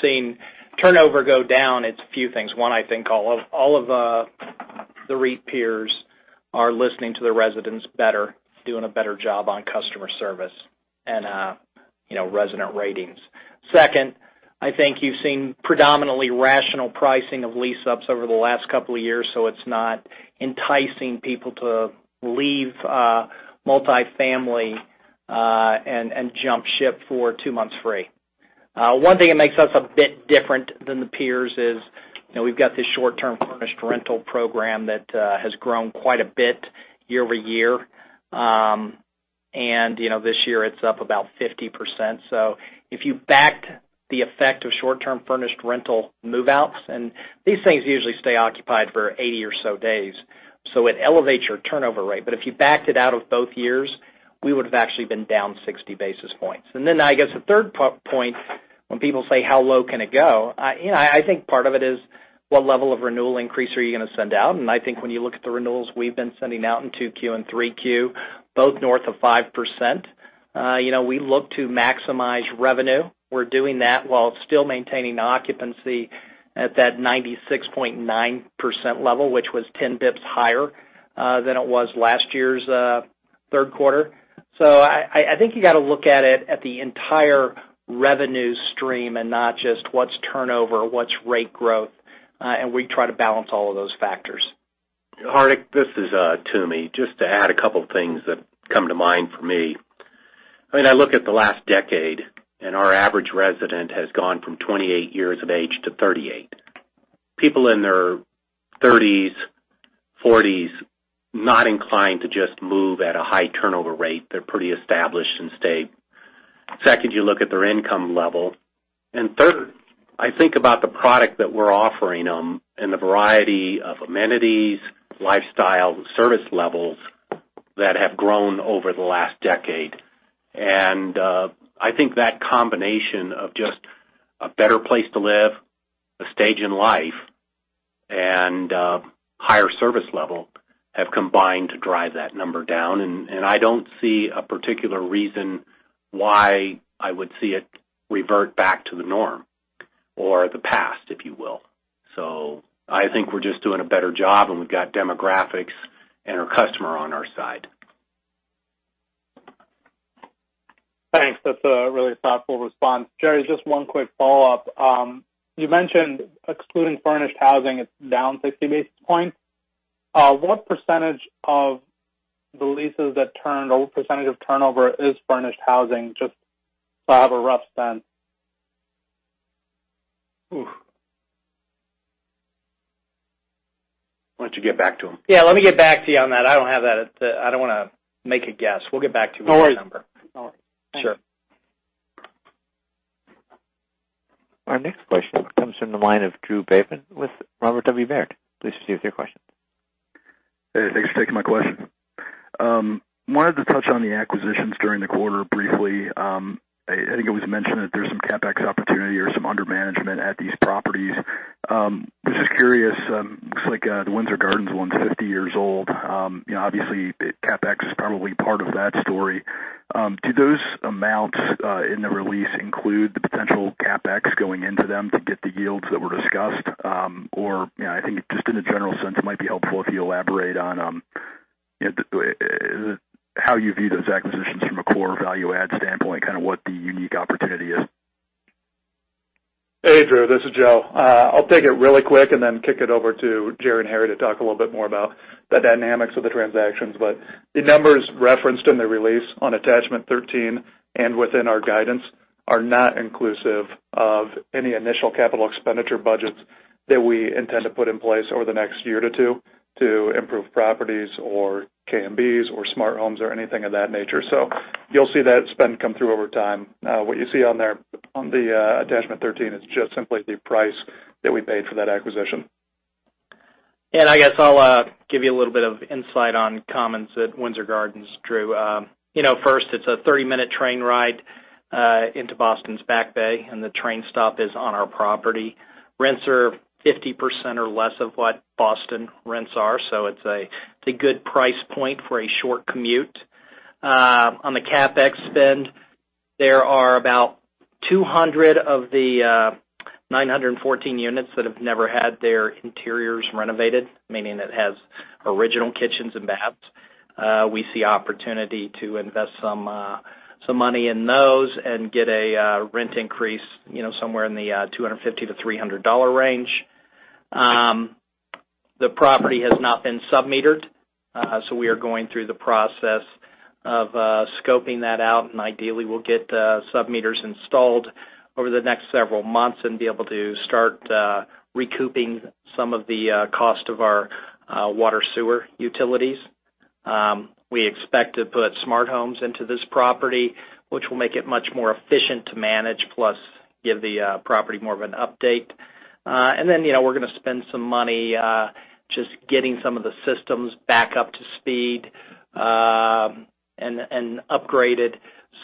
seeing turnover go down, it's a few things. I think all of the REIT peers are listening to their residents better, doing a better job on customer service and resident ratings. I think you've seen predominantly rational pricing of lease-ups over the last couple of years, so it's not enticing people to leave multifamily, and jump ship for two months free. One thing that makes us a bit different than the peers is, we've got this short-term furnished rental program that has grown quite a bit year-over-year. This year it's up about 50%. If you backed the effect of short-term furnished rental move-outs, and these things usually stay occupied for 80 or so days, so it elevates your turnover rate. If you backed it out of both years, we would've actually been down 60 basis points. Then, I guess a third point when people say, how low can it go? I think part of it is what level of renewal increase are you going to send out? I think when you look at the renewals we've been sending out in 2Q and 3Q, both north of 5%. We look to maximize revenue. We're doing that while still maintaining occupancy at that 96.9% level, which was 10 basis points higher than it was last year's third quarter. I think you got to look at it at the entire revenue stream and not just what's turnover, what's rate growth, and we try to balance all of those factors. Hardik, this is Toomey. Just to add a couple of things that come to mind for me. When I look at the last decade, our average resident has gone from 28 years of age to 38. People in their 30s, 40s, not inclined to just move at a high turnover rate. They're pretty established and stay. Second, you look at their income level. Third, I think about the product that we're offering them and the variety of amenities, lifestyle, service levels that have grown over the last decade. I think that combination of just a better place to live, a stage in life Higher service level have combined to drive that number down, and I don't see a particular reason why I would see it revert back to the norm or the past, if you will. I think we're just doing a better job, and we've got demographics and our customer on our side. Thanks. That's a really thoughtful response. Jerry, just one quick follow-up. You mentioned excluding furnished housing, it's down 50 basis points. What percentage of the leases that turned, or what percentage of turnover is furnished housing? Just so I have a rough sense. Why don't you get back to him? Yeah, let me get back to you on that. I don't have that. I don't want to make a guess. We'll get back to you with that number. No worries. Sure. Our next question comes from the line of Drew Babin with Robert W. Baird. Please proceed with your question. Hey, thanks for taking my question. Wanted to touch on the acquisitions during the quarter briefly. I think it was mentioned that there's some CapEx opportunity or some under management at these properties. Just curious, looks like the Windsor Gardens one's 50 years old. Obviously, CapEx is probably part of that story. Do those amounts in the release include the potential CapEx going into them to get the yields that were discussed? I think just in a general sense, it might be helpful if you elaborate on how you view those acquisitions from a core value add standpoint, kind of what the unique opportunity is. Drew. This is Joe. I will take it really quick and then kick it over to Jerry and Harry to talk a little bit more about the dynamics of the transactions. The numbers referenced in the release on attachment 13 and within our guidance are not inclusive of any initial capital expenditure budgets that we intend to put in place over the next year to two, to improve properties or KNX or smart homes or anything of that nature. You will see that spend come through over time. What you see on the attachment 13 is just simply the price that we paid for that acquisition. I guess I'll give you a little bit of insight on The Commons at Windsor Gardens, Drew. First, it's a 30-minute train ride into Boston's Back Bay, and the train stop is on our property. Rents are 50% or less of what Boston rents are, so it's a good price point for a short commute. On the CapEx spend, there are about 200 of the 914 units that have never had their interiors renovated, meaning it has original kitchens and baths. We see opportunity to invest some money in those and get a rent increase somewhere in the $250 to $300 range. The property has not been sub-metered, so we are going through the process of scoping that out, and ideally, we'll get sub-meters installed over the next several months and be able to start recouping some of the cost of our water sewer utilities. We expect to put smart homes into this property, which will make it much more efficient to manage, plus give the property more of an update. We're going to spend some money just getting some of the systems back up to speed, and upgraded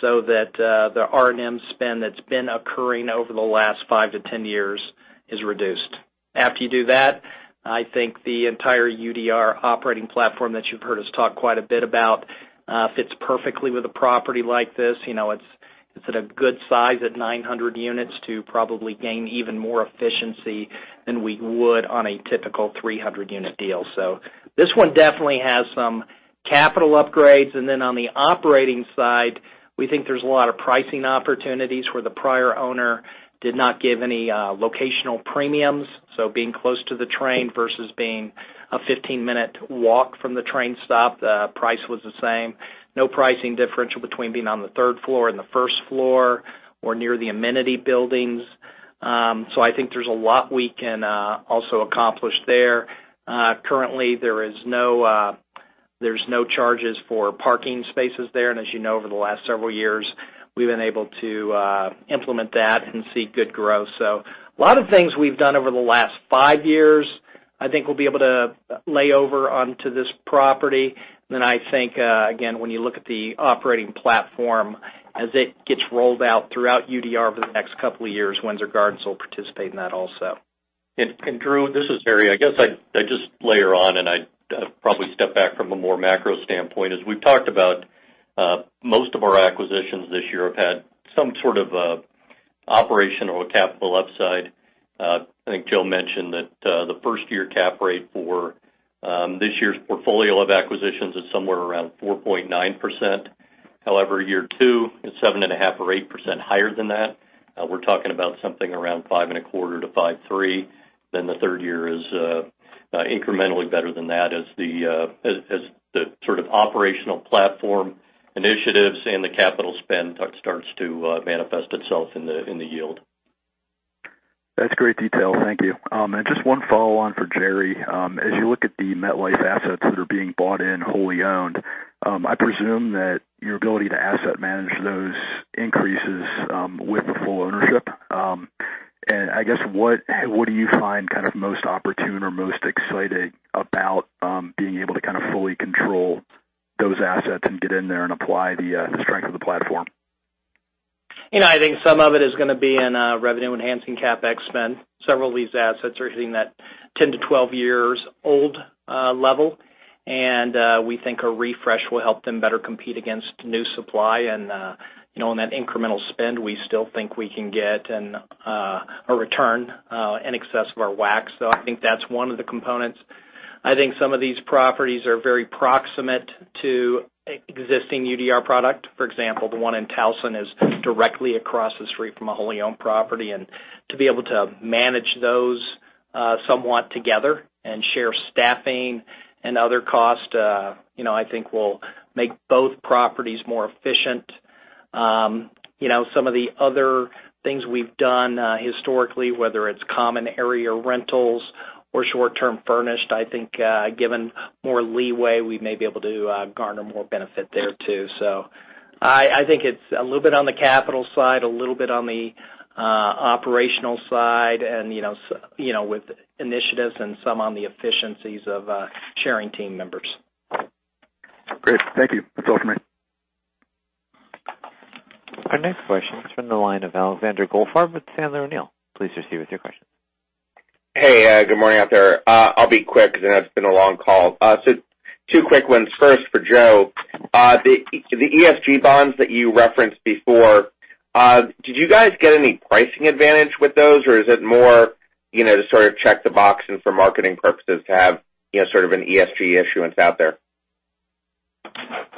so that the R&M spend that's been occurring over the last 5 to 10 years is reduced. After you do that, I think the entire UDR operating platform that you've heard us talk quite a bit about fits perfectly with a property like this. It's at a good size at 900 units to probably gain even more efficiency than we would on a typical 300-unit deal. This one definitely has some capital upgrades. On the operating side, we think there's a lot of pricing opportunities where the prior owner did not give any locational premiums. Being close to the train versus being a 15-minute walk from the train stop, the price was the same. No pricing differential between being on the third floor and the first floor or near the amenity buildings. I think there's a lot we can also accomplish there. Currently, there's no charges for parking spaces there. As you know, over the last several years, we've been able to implement that and see good growth. A lot of things we've done over the last 5 years, I think we'll be able to lay over onto this property. I think, again, when you look at the Next Gen Operating Platform as it gets rolled out throughout UDR over the next couple of years, Windsor Gardens will participate in that also. Drew, this is Harry. I guess I just layer on, and I probably step back from a more macro standpoint. As we've talked about, most of our acquisitions this year have had some sort of operational capital upside. I think Joe mentioned that the first-year cap rate for this year's portfolio of acquisitions is somewhere around 4.9%. However, year two is 7.5% or 8% higher than that. We're talking about something around 5.25%-5.3%. The third year is incrementally better than that as the sort of operational platform initiatives and the capital spend starts to manifest itself in the yield. That's great detail. Thank you. Just one follow-on for Jerry. As you look at the MetLife assets that are being bought in wholly owned, I presume that your ability to asset manage those increases with the full ownership. I guess what do you find kind of most opportune or most exciting those assets and get in there and apply the strength of the platform? I think some of it is going to be in revenue enhancing CapEx spend. Several of these assets are hitting that 10-12 years old level, and we think a refresh will help them better compete against new supply. In that incremental spend, we still think we can get a return in excess of our WACC. I think that's one of the components. I think some of these properties are very proximate to existing UDR product. For example, the one in Towson is directly across the street from a wholly owned property. To be able to manage those, somewhat together and share staffing and other costs, I think will make both properties more efficient. Some of the other things we've done historically, whether it's common area rentals or short-term furnished, I think given more leeway, we may be able to garner more benefit there, too. I think it's a little bit on the capital side, a little bit on the operational side, and with initiatives and some on the efficiencies of sharing team members. Great. Thank you. That's all for me. Our next question is from the line of Alexander Goldfarb with Sandler O'Neill. Please proceed with your question. Hey, good morning out there. I'll be quick because I know it's been a long call. Two quick ones. First for Joe, the ESG bonds that you referenced before, did you guys get any pricing advantage with those or is it more to sort of check the box and for marketing purposes to have sort of an ESG issuance out there?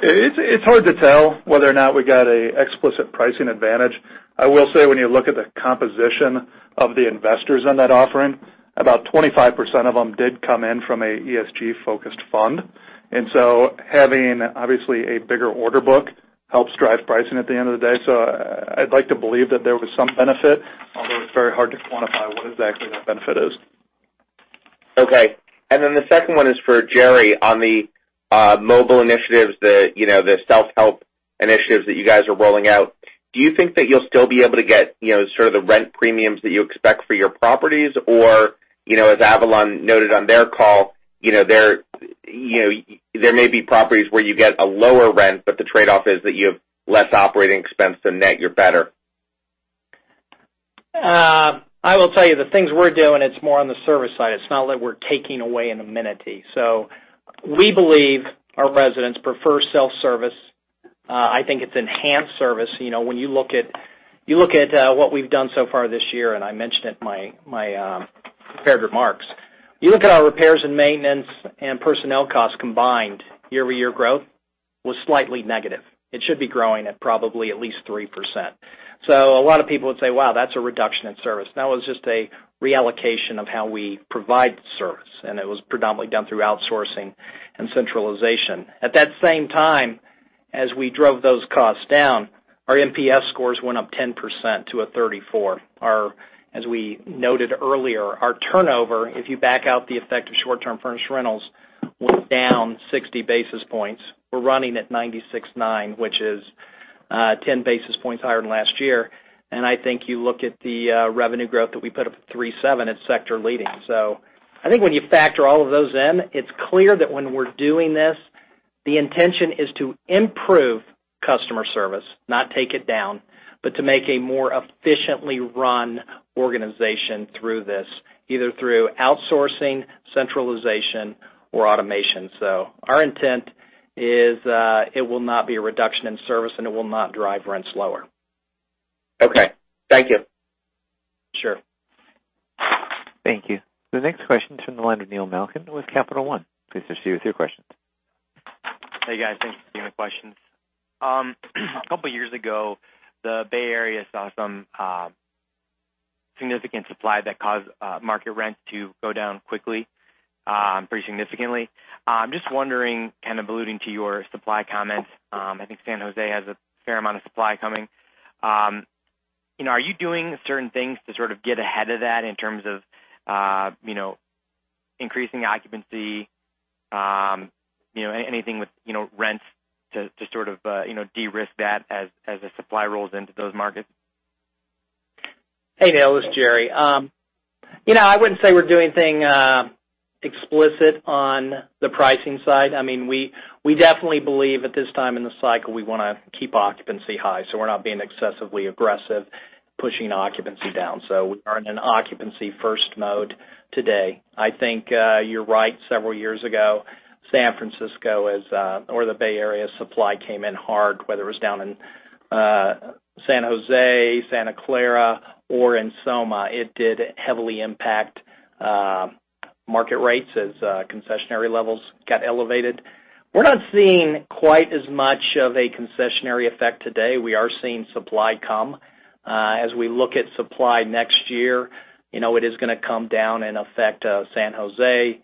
It's hard to tell whether or not we got a explicit pricing advantage. I will say when you look at the composition of the investors on that offering, about 25% of them did come in from a ESG-focused fund. Having, obviously, a bigger order book helps drive pricing at the end of the day. I'd like to believe that there was some benefit, although it's very hard to quantify what exactly that benefit is. The second one is for Jerry on the mobile initiatives, the self-help initiatives that you guys are rolling out. Do you think that you'll still be able to get sort of the rent premiums that you expect for your properties? As Avalon noted on their call, there may be properties where you get a lower rent, but the trade-off is that you have less operating expense to net, you're better. I will tell you the things we're doing, it's more on the service side. It's not like we're taking away an amenity. We believe our residents prefer self-service. I think it's enhanced service. When you look at what we've done so far this year, and I mentioned it in my prepared remarks. You look at our R&M and personnel costs combined, year-over-year growth was slightly negative. It should be growing at probably at least 3%. A lot of people would say, "Wow, that's a reduction in service." No, it was just a reallocation of how we provide service, and it was predominantly done through outsourcing and centralization. At that same time, as we drove those costs down, our NPS scores went up 10% to a 34. As we noted earlier, our turnover, if you back out the effect of short-term furnished rentals, went down 60 basis points. We're running at 96.9, which is 10 basis points higher than last year. I think you look at the revenue growth that we put up at 3.7, it's sector leading. I think when you factor all of those in, it's clear that when we're doing this, the intention is to improve customer service, not take it down, but to make a more efficiently run organization through this, either through outsourcing, centralization, or automation. Our intent is it will not be a reduction in service, and it will not drive rents lower. Okay. Thank you. Sure. Thank you. The next question is from the line of Neil Malkin with Capital One. Please proceed with your questions. Hey, guys. Thanks for taking the questions. A couple of years ago, the Bay Area saw some significant supply that caused market rent to go down quickly, pretty significantly. I'm just wondering, kind of alluding to your supply comments, I think San Jose has a fair amount of supply coming. Are you doing certain things to sort of get ahead of that in terms of increasing occupancy, anything with rents to sort of de-risk that as the supply rolls into those markets? Hey, Neil, this is Jerry. I wouldn't say we're doing anything explicit on the pricing side. We definitely believe at this time in the cycle, we want to keep occupancy high, so we're not being excessively aggressive pushing occupancy down. We are in an occupancy first mode today. I think you're right. Several years ago, San Francisco or the Bay Area supply came in hard, whether it was down in San Jose, Santa Clara, or in SoMa. It did heavily impact market rates as concessionary levels got elevated. We're not seeing quite as much of a concessionary effect today. We are seeing supply come. As we look at supply next year, it is going to come down and affect San Jose.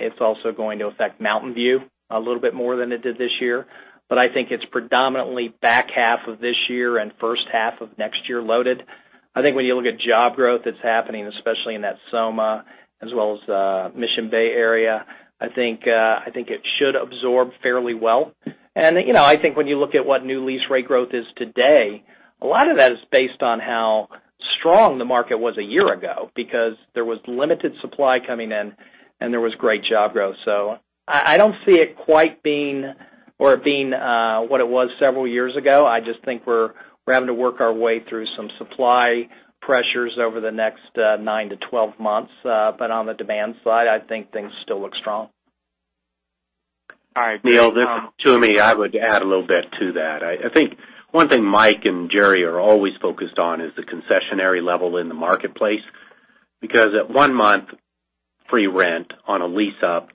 It's also going to affect Mountain View a little bit more than it did this year. I think it's predominantly back half of this year and first half of next year loaded. I think when you look at job growth that's happening, especially in that SoMa as well as Mission Bay area, I think it should absorb fairly well. I think when you look at what new lease rate growth is today, a lot of that is based on how strong the market was a year ago because there was limited supply coming in and there was great job growth. I don't see it quite being or it being what it was several years ago. I just think we're having to work our way through some supply pressures over the next nine to 12 months. On the demand side, I think things still look strong. All right. Neil, this is Toomey. I would add a little bit to that. I think one thing Mike and Jerry are always focused on is the concessionary level in the marketplace. Because at one month free rent on a lease-up,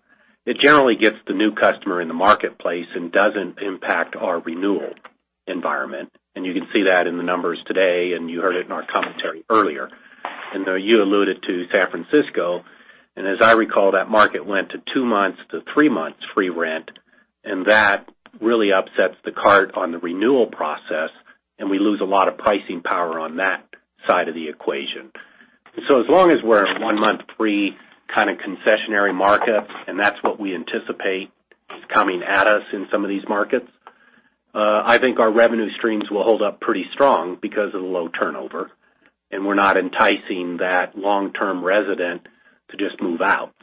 it generally gets the new customer in the marketplace and doesn't impact our renewal environment. You can see that in the numbers today, and you heard it in our commentary earlier. Though you alluded to San Francisco, as I recall, that market went to two months to three months free rent, and that really upsets the cart on the renewal process, and we lose a lot of pricing power on that side of the equation. As long as we're in a one-month free kind of concessionary market, and that's what we anticipate is coming at us in some of these markets, I think our revenue streams will hold up pretty strong because of the low turnover, and we're not enticing that long-term resident to just move out.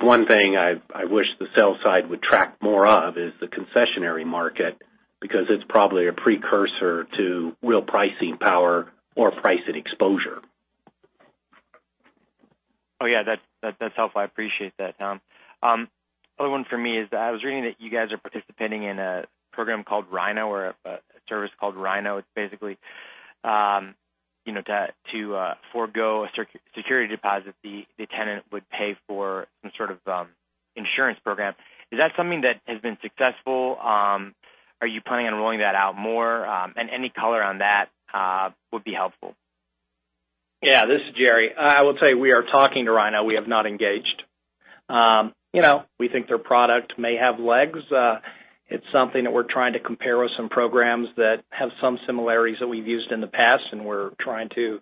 One thing I wish the sell side would track more of is the concessionary market, because it's probably a precursor to real pricing power or pricing exposure. Oh, yeah. That's helpful. I appreciate that, Tom. Other one for me is that I was reading that you guys are participating in a program called Rhino or a service called Rhino. It's basically to forego a security deposit fee the tenant would pay for some sort of insurance program. Is that something that has been successful? Are you planning on rolling that out more? Any color on that would be helpful. Yeah. This is Jerry. I will tell you, we are talking to Rhino. We have not engaged. We think their product may have legs. It's something that we're trying to compare with some programs that have some similarities that we've used in the past, and we're trying to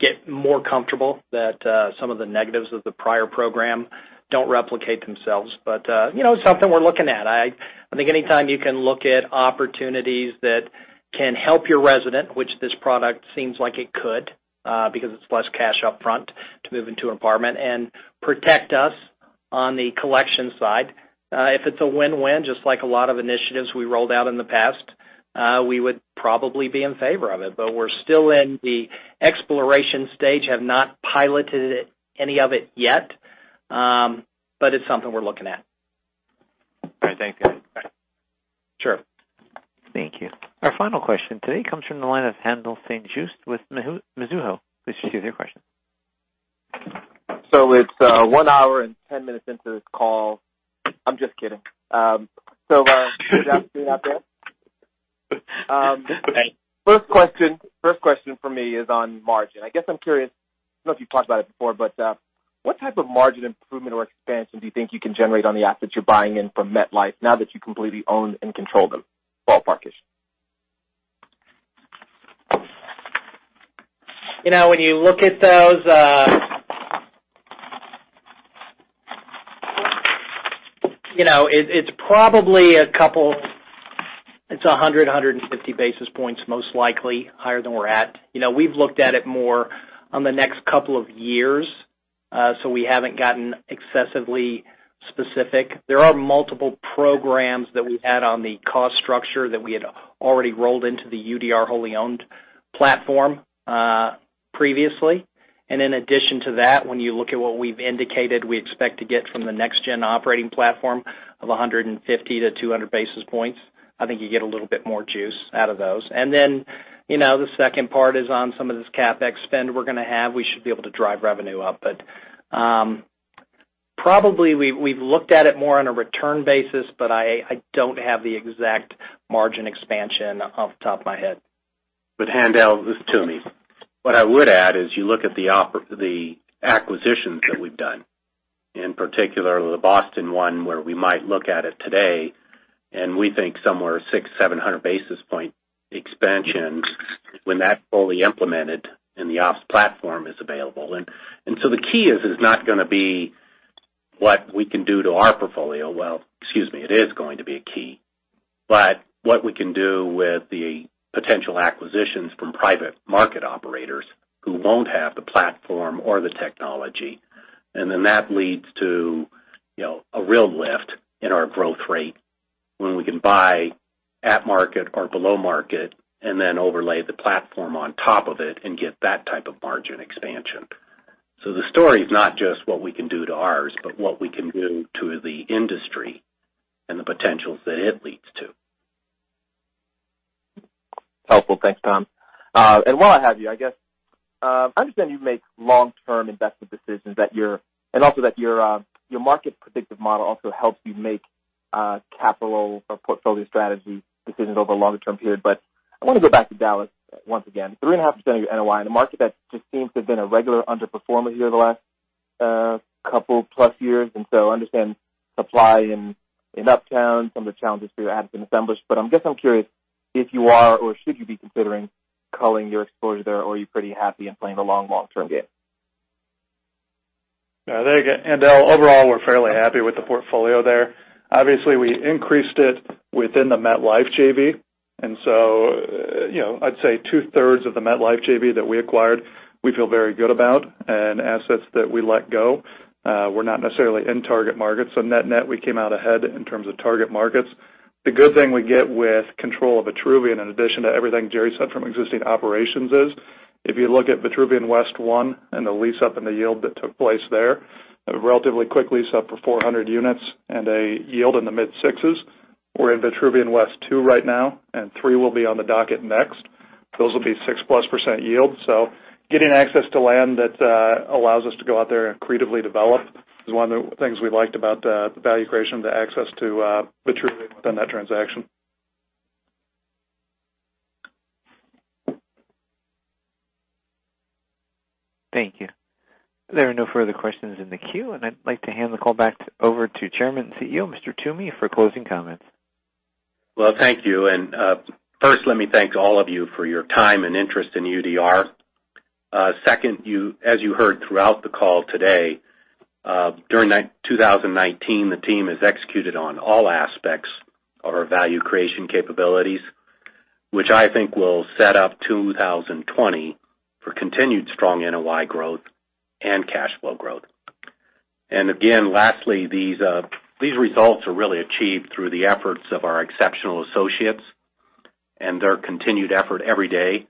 get more comfortable that some of the negatives of the prior program don't replicate themselves. It's something we're looking at. I think anytime you can look at opportunities that can help your resident, which this product seems like it could, because it's less cash upfront to move into an apartment and protect us on the collection side. If it's a win-win, just like a lot of initiatives we rolled out in the past, we would probably be in favor of it, but we're still in the exploration stage. Have not piloted any of it yet, but it's something we're looking at. All right. Thank you. Sure. Thank you. Our final question today comes from the line of Haendel St. Juste with Mizuho. Please proceed with your question. It's one hour and 10 minutes into this call. I'm just kidding. Good afternoon out there. First question from me is on margin. I guess I'm curious, I know you've talked about it before, but what type of margin improvement or expansion do you think you can generate on the assets you're buying in from MetLife now that you completely own and control them? Ballpark-ish. When you look at those, it's 100, 150 basis points, most likely higher than we're at. We've looked at it more on the next couple of years. We haven't gotten excessively specific. There are multiple programs that we had on the cost structure that we had already rolled into the UDR wholly-owned platform previously. In addition to that, when you look at what we've indicated, we expect to get from the Next Gen Operating Platform of 150 to 200 basis points. I think you get a little bit more juice out of those. The second part is on some of this CapEx spend we're going to have, we should be able to drive revenue up. Probably, we've looked at it more on a return basis, but I don't have the exact margin expansion off the top of my head. Haendel, this is Toomey. What I would add is you look at the acquisitions that we've done, and particularly the Boston one, where we might look at it today, and we think somewhere 600-700 basis point expansion when that's fully implemented and the ops platform is available. The key is not going to be what we can do to our portfolio. Well, excuse me, it is going to be a key. What we can do with the potential acquisitions from private market operators who won't have the platform or the technology, and then that leads to a real lift in our growth rate when we can buy at market or below market and then overlay the platform on top of it and get that type of margin expansion. The story is not just what we can do to ours, but what we can do to the industry and the potentials that it leads to. Helpful. Thanks, Tom. While I have you, I guess, I understand you make long-term investment decisions, and also that your market predictive model also helps you make capital or portfolio strategy decisions over a longer-term period. I want to go back to Dallas once again. 3.5% of your NOI in a market that just seems to have been a regular underperformer here the last couple plus years. I understand supply in Uptown, some of the challenges there have been assembled. I guess I'm curious if you are or should you be considering culling your exposure there, or are you pretty happy in playing the long-term game? Yeah. There you go, Haendel. Overall, we're fairly happy with the portfolio there. Obviously, we increased it within the MetLife JV. I'd say two-thirds of the MetLife JV that we acquired, we feel very good about. Assets that we let go were not necessarily in target markets. Net-net, we came out ahead in terms of target markets. The good thing we get with control of Vitruvian, in addition to everything Jerry said from existing operations is, if you look at Vitruvian West 1 and the lease-up and the yield that took place there, a relatively quick lease-up for 400 units and a yield in the mid-6s. We're in Vitruvian West 2 right now. 3 will be on the docket next. Those will be 6-plus percent yield. Getting access to land that allows us to go out there and creatively develop is one of the things we liked about the value creation, the access to Vitruvian within that transaction. Thank you. There are no further questions in the queue. I'd like to hand the call back over to Chairman and CEO, Mr. Toomey, for closing comments. Well, thank you. First, let me thank all of you for your time and interest in UDR. Second, as you heard throughout the call today, during 2019, the team has executed on all aspects of our value creation capabilities, which I think will set up 2020 for continued strong NOI growth and cash flow growth. Lastly, these results are really achieved through the efforts of our exceptional associates and their continued effort every day,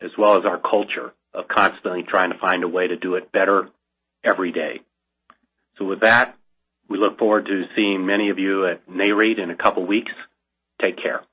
as well as our culture of constantly trying to find a way to do it better every day. With that, we look forward to seeing many of you at Nareit in a couple of weeks. Take care.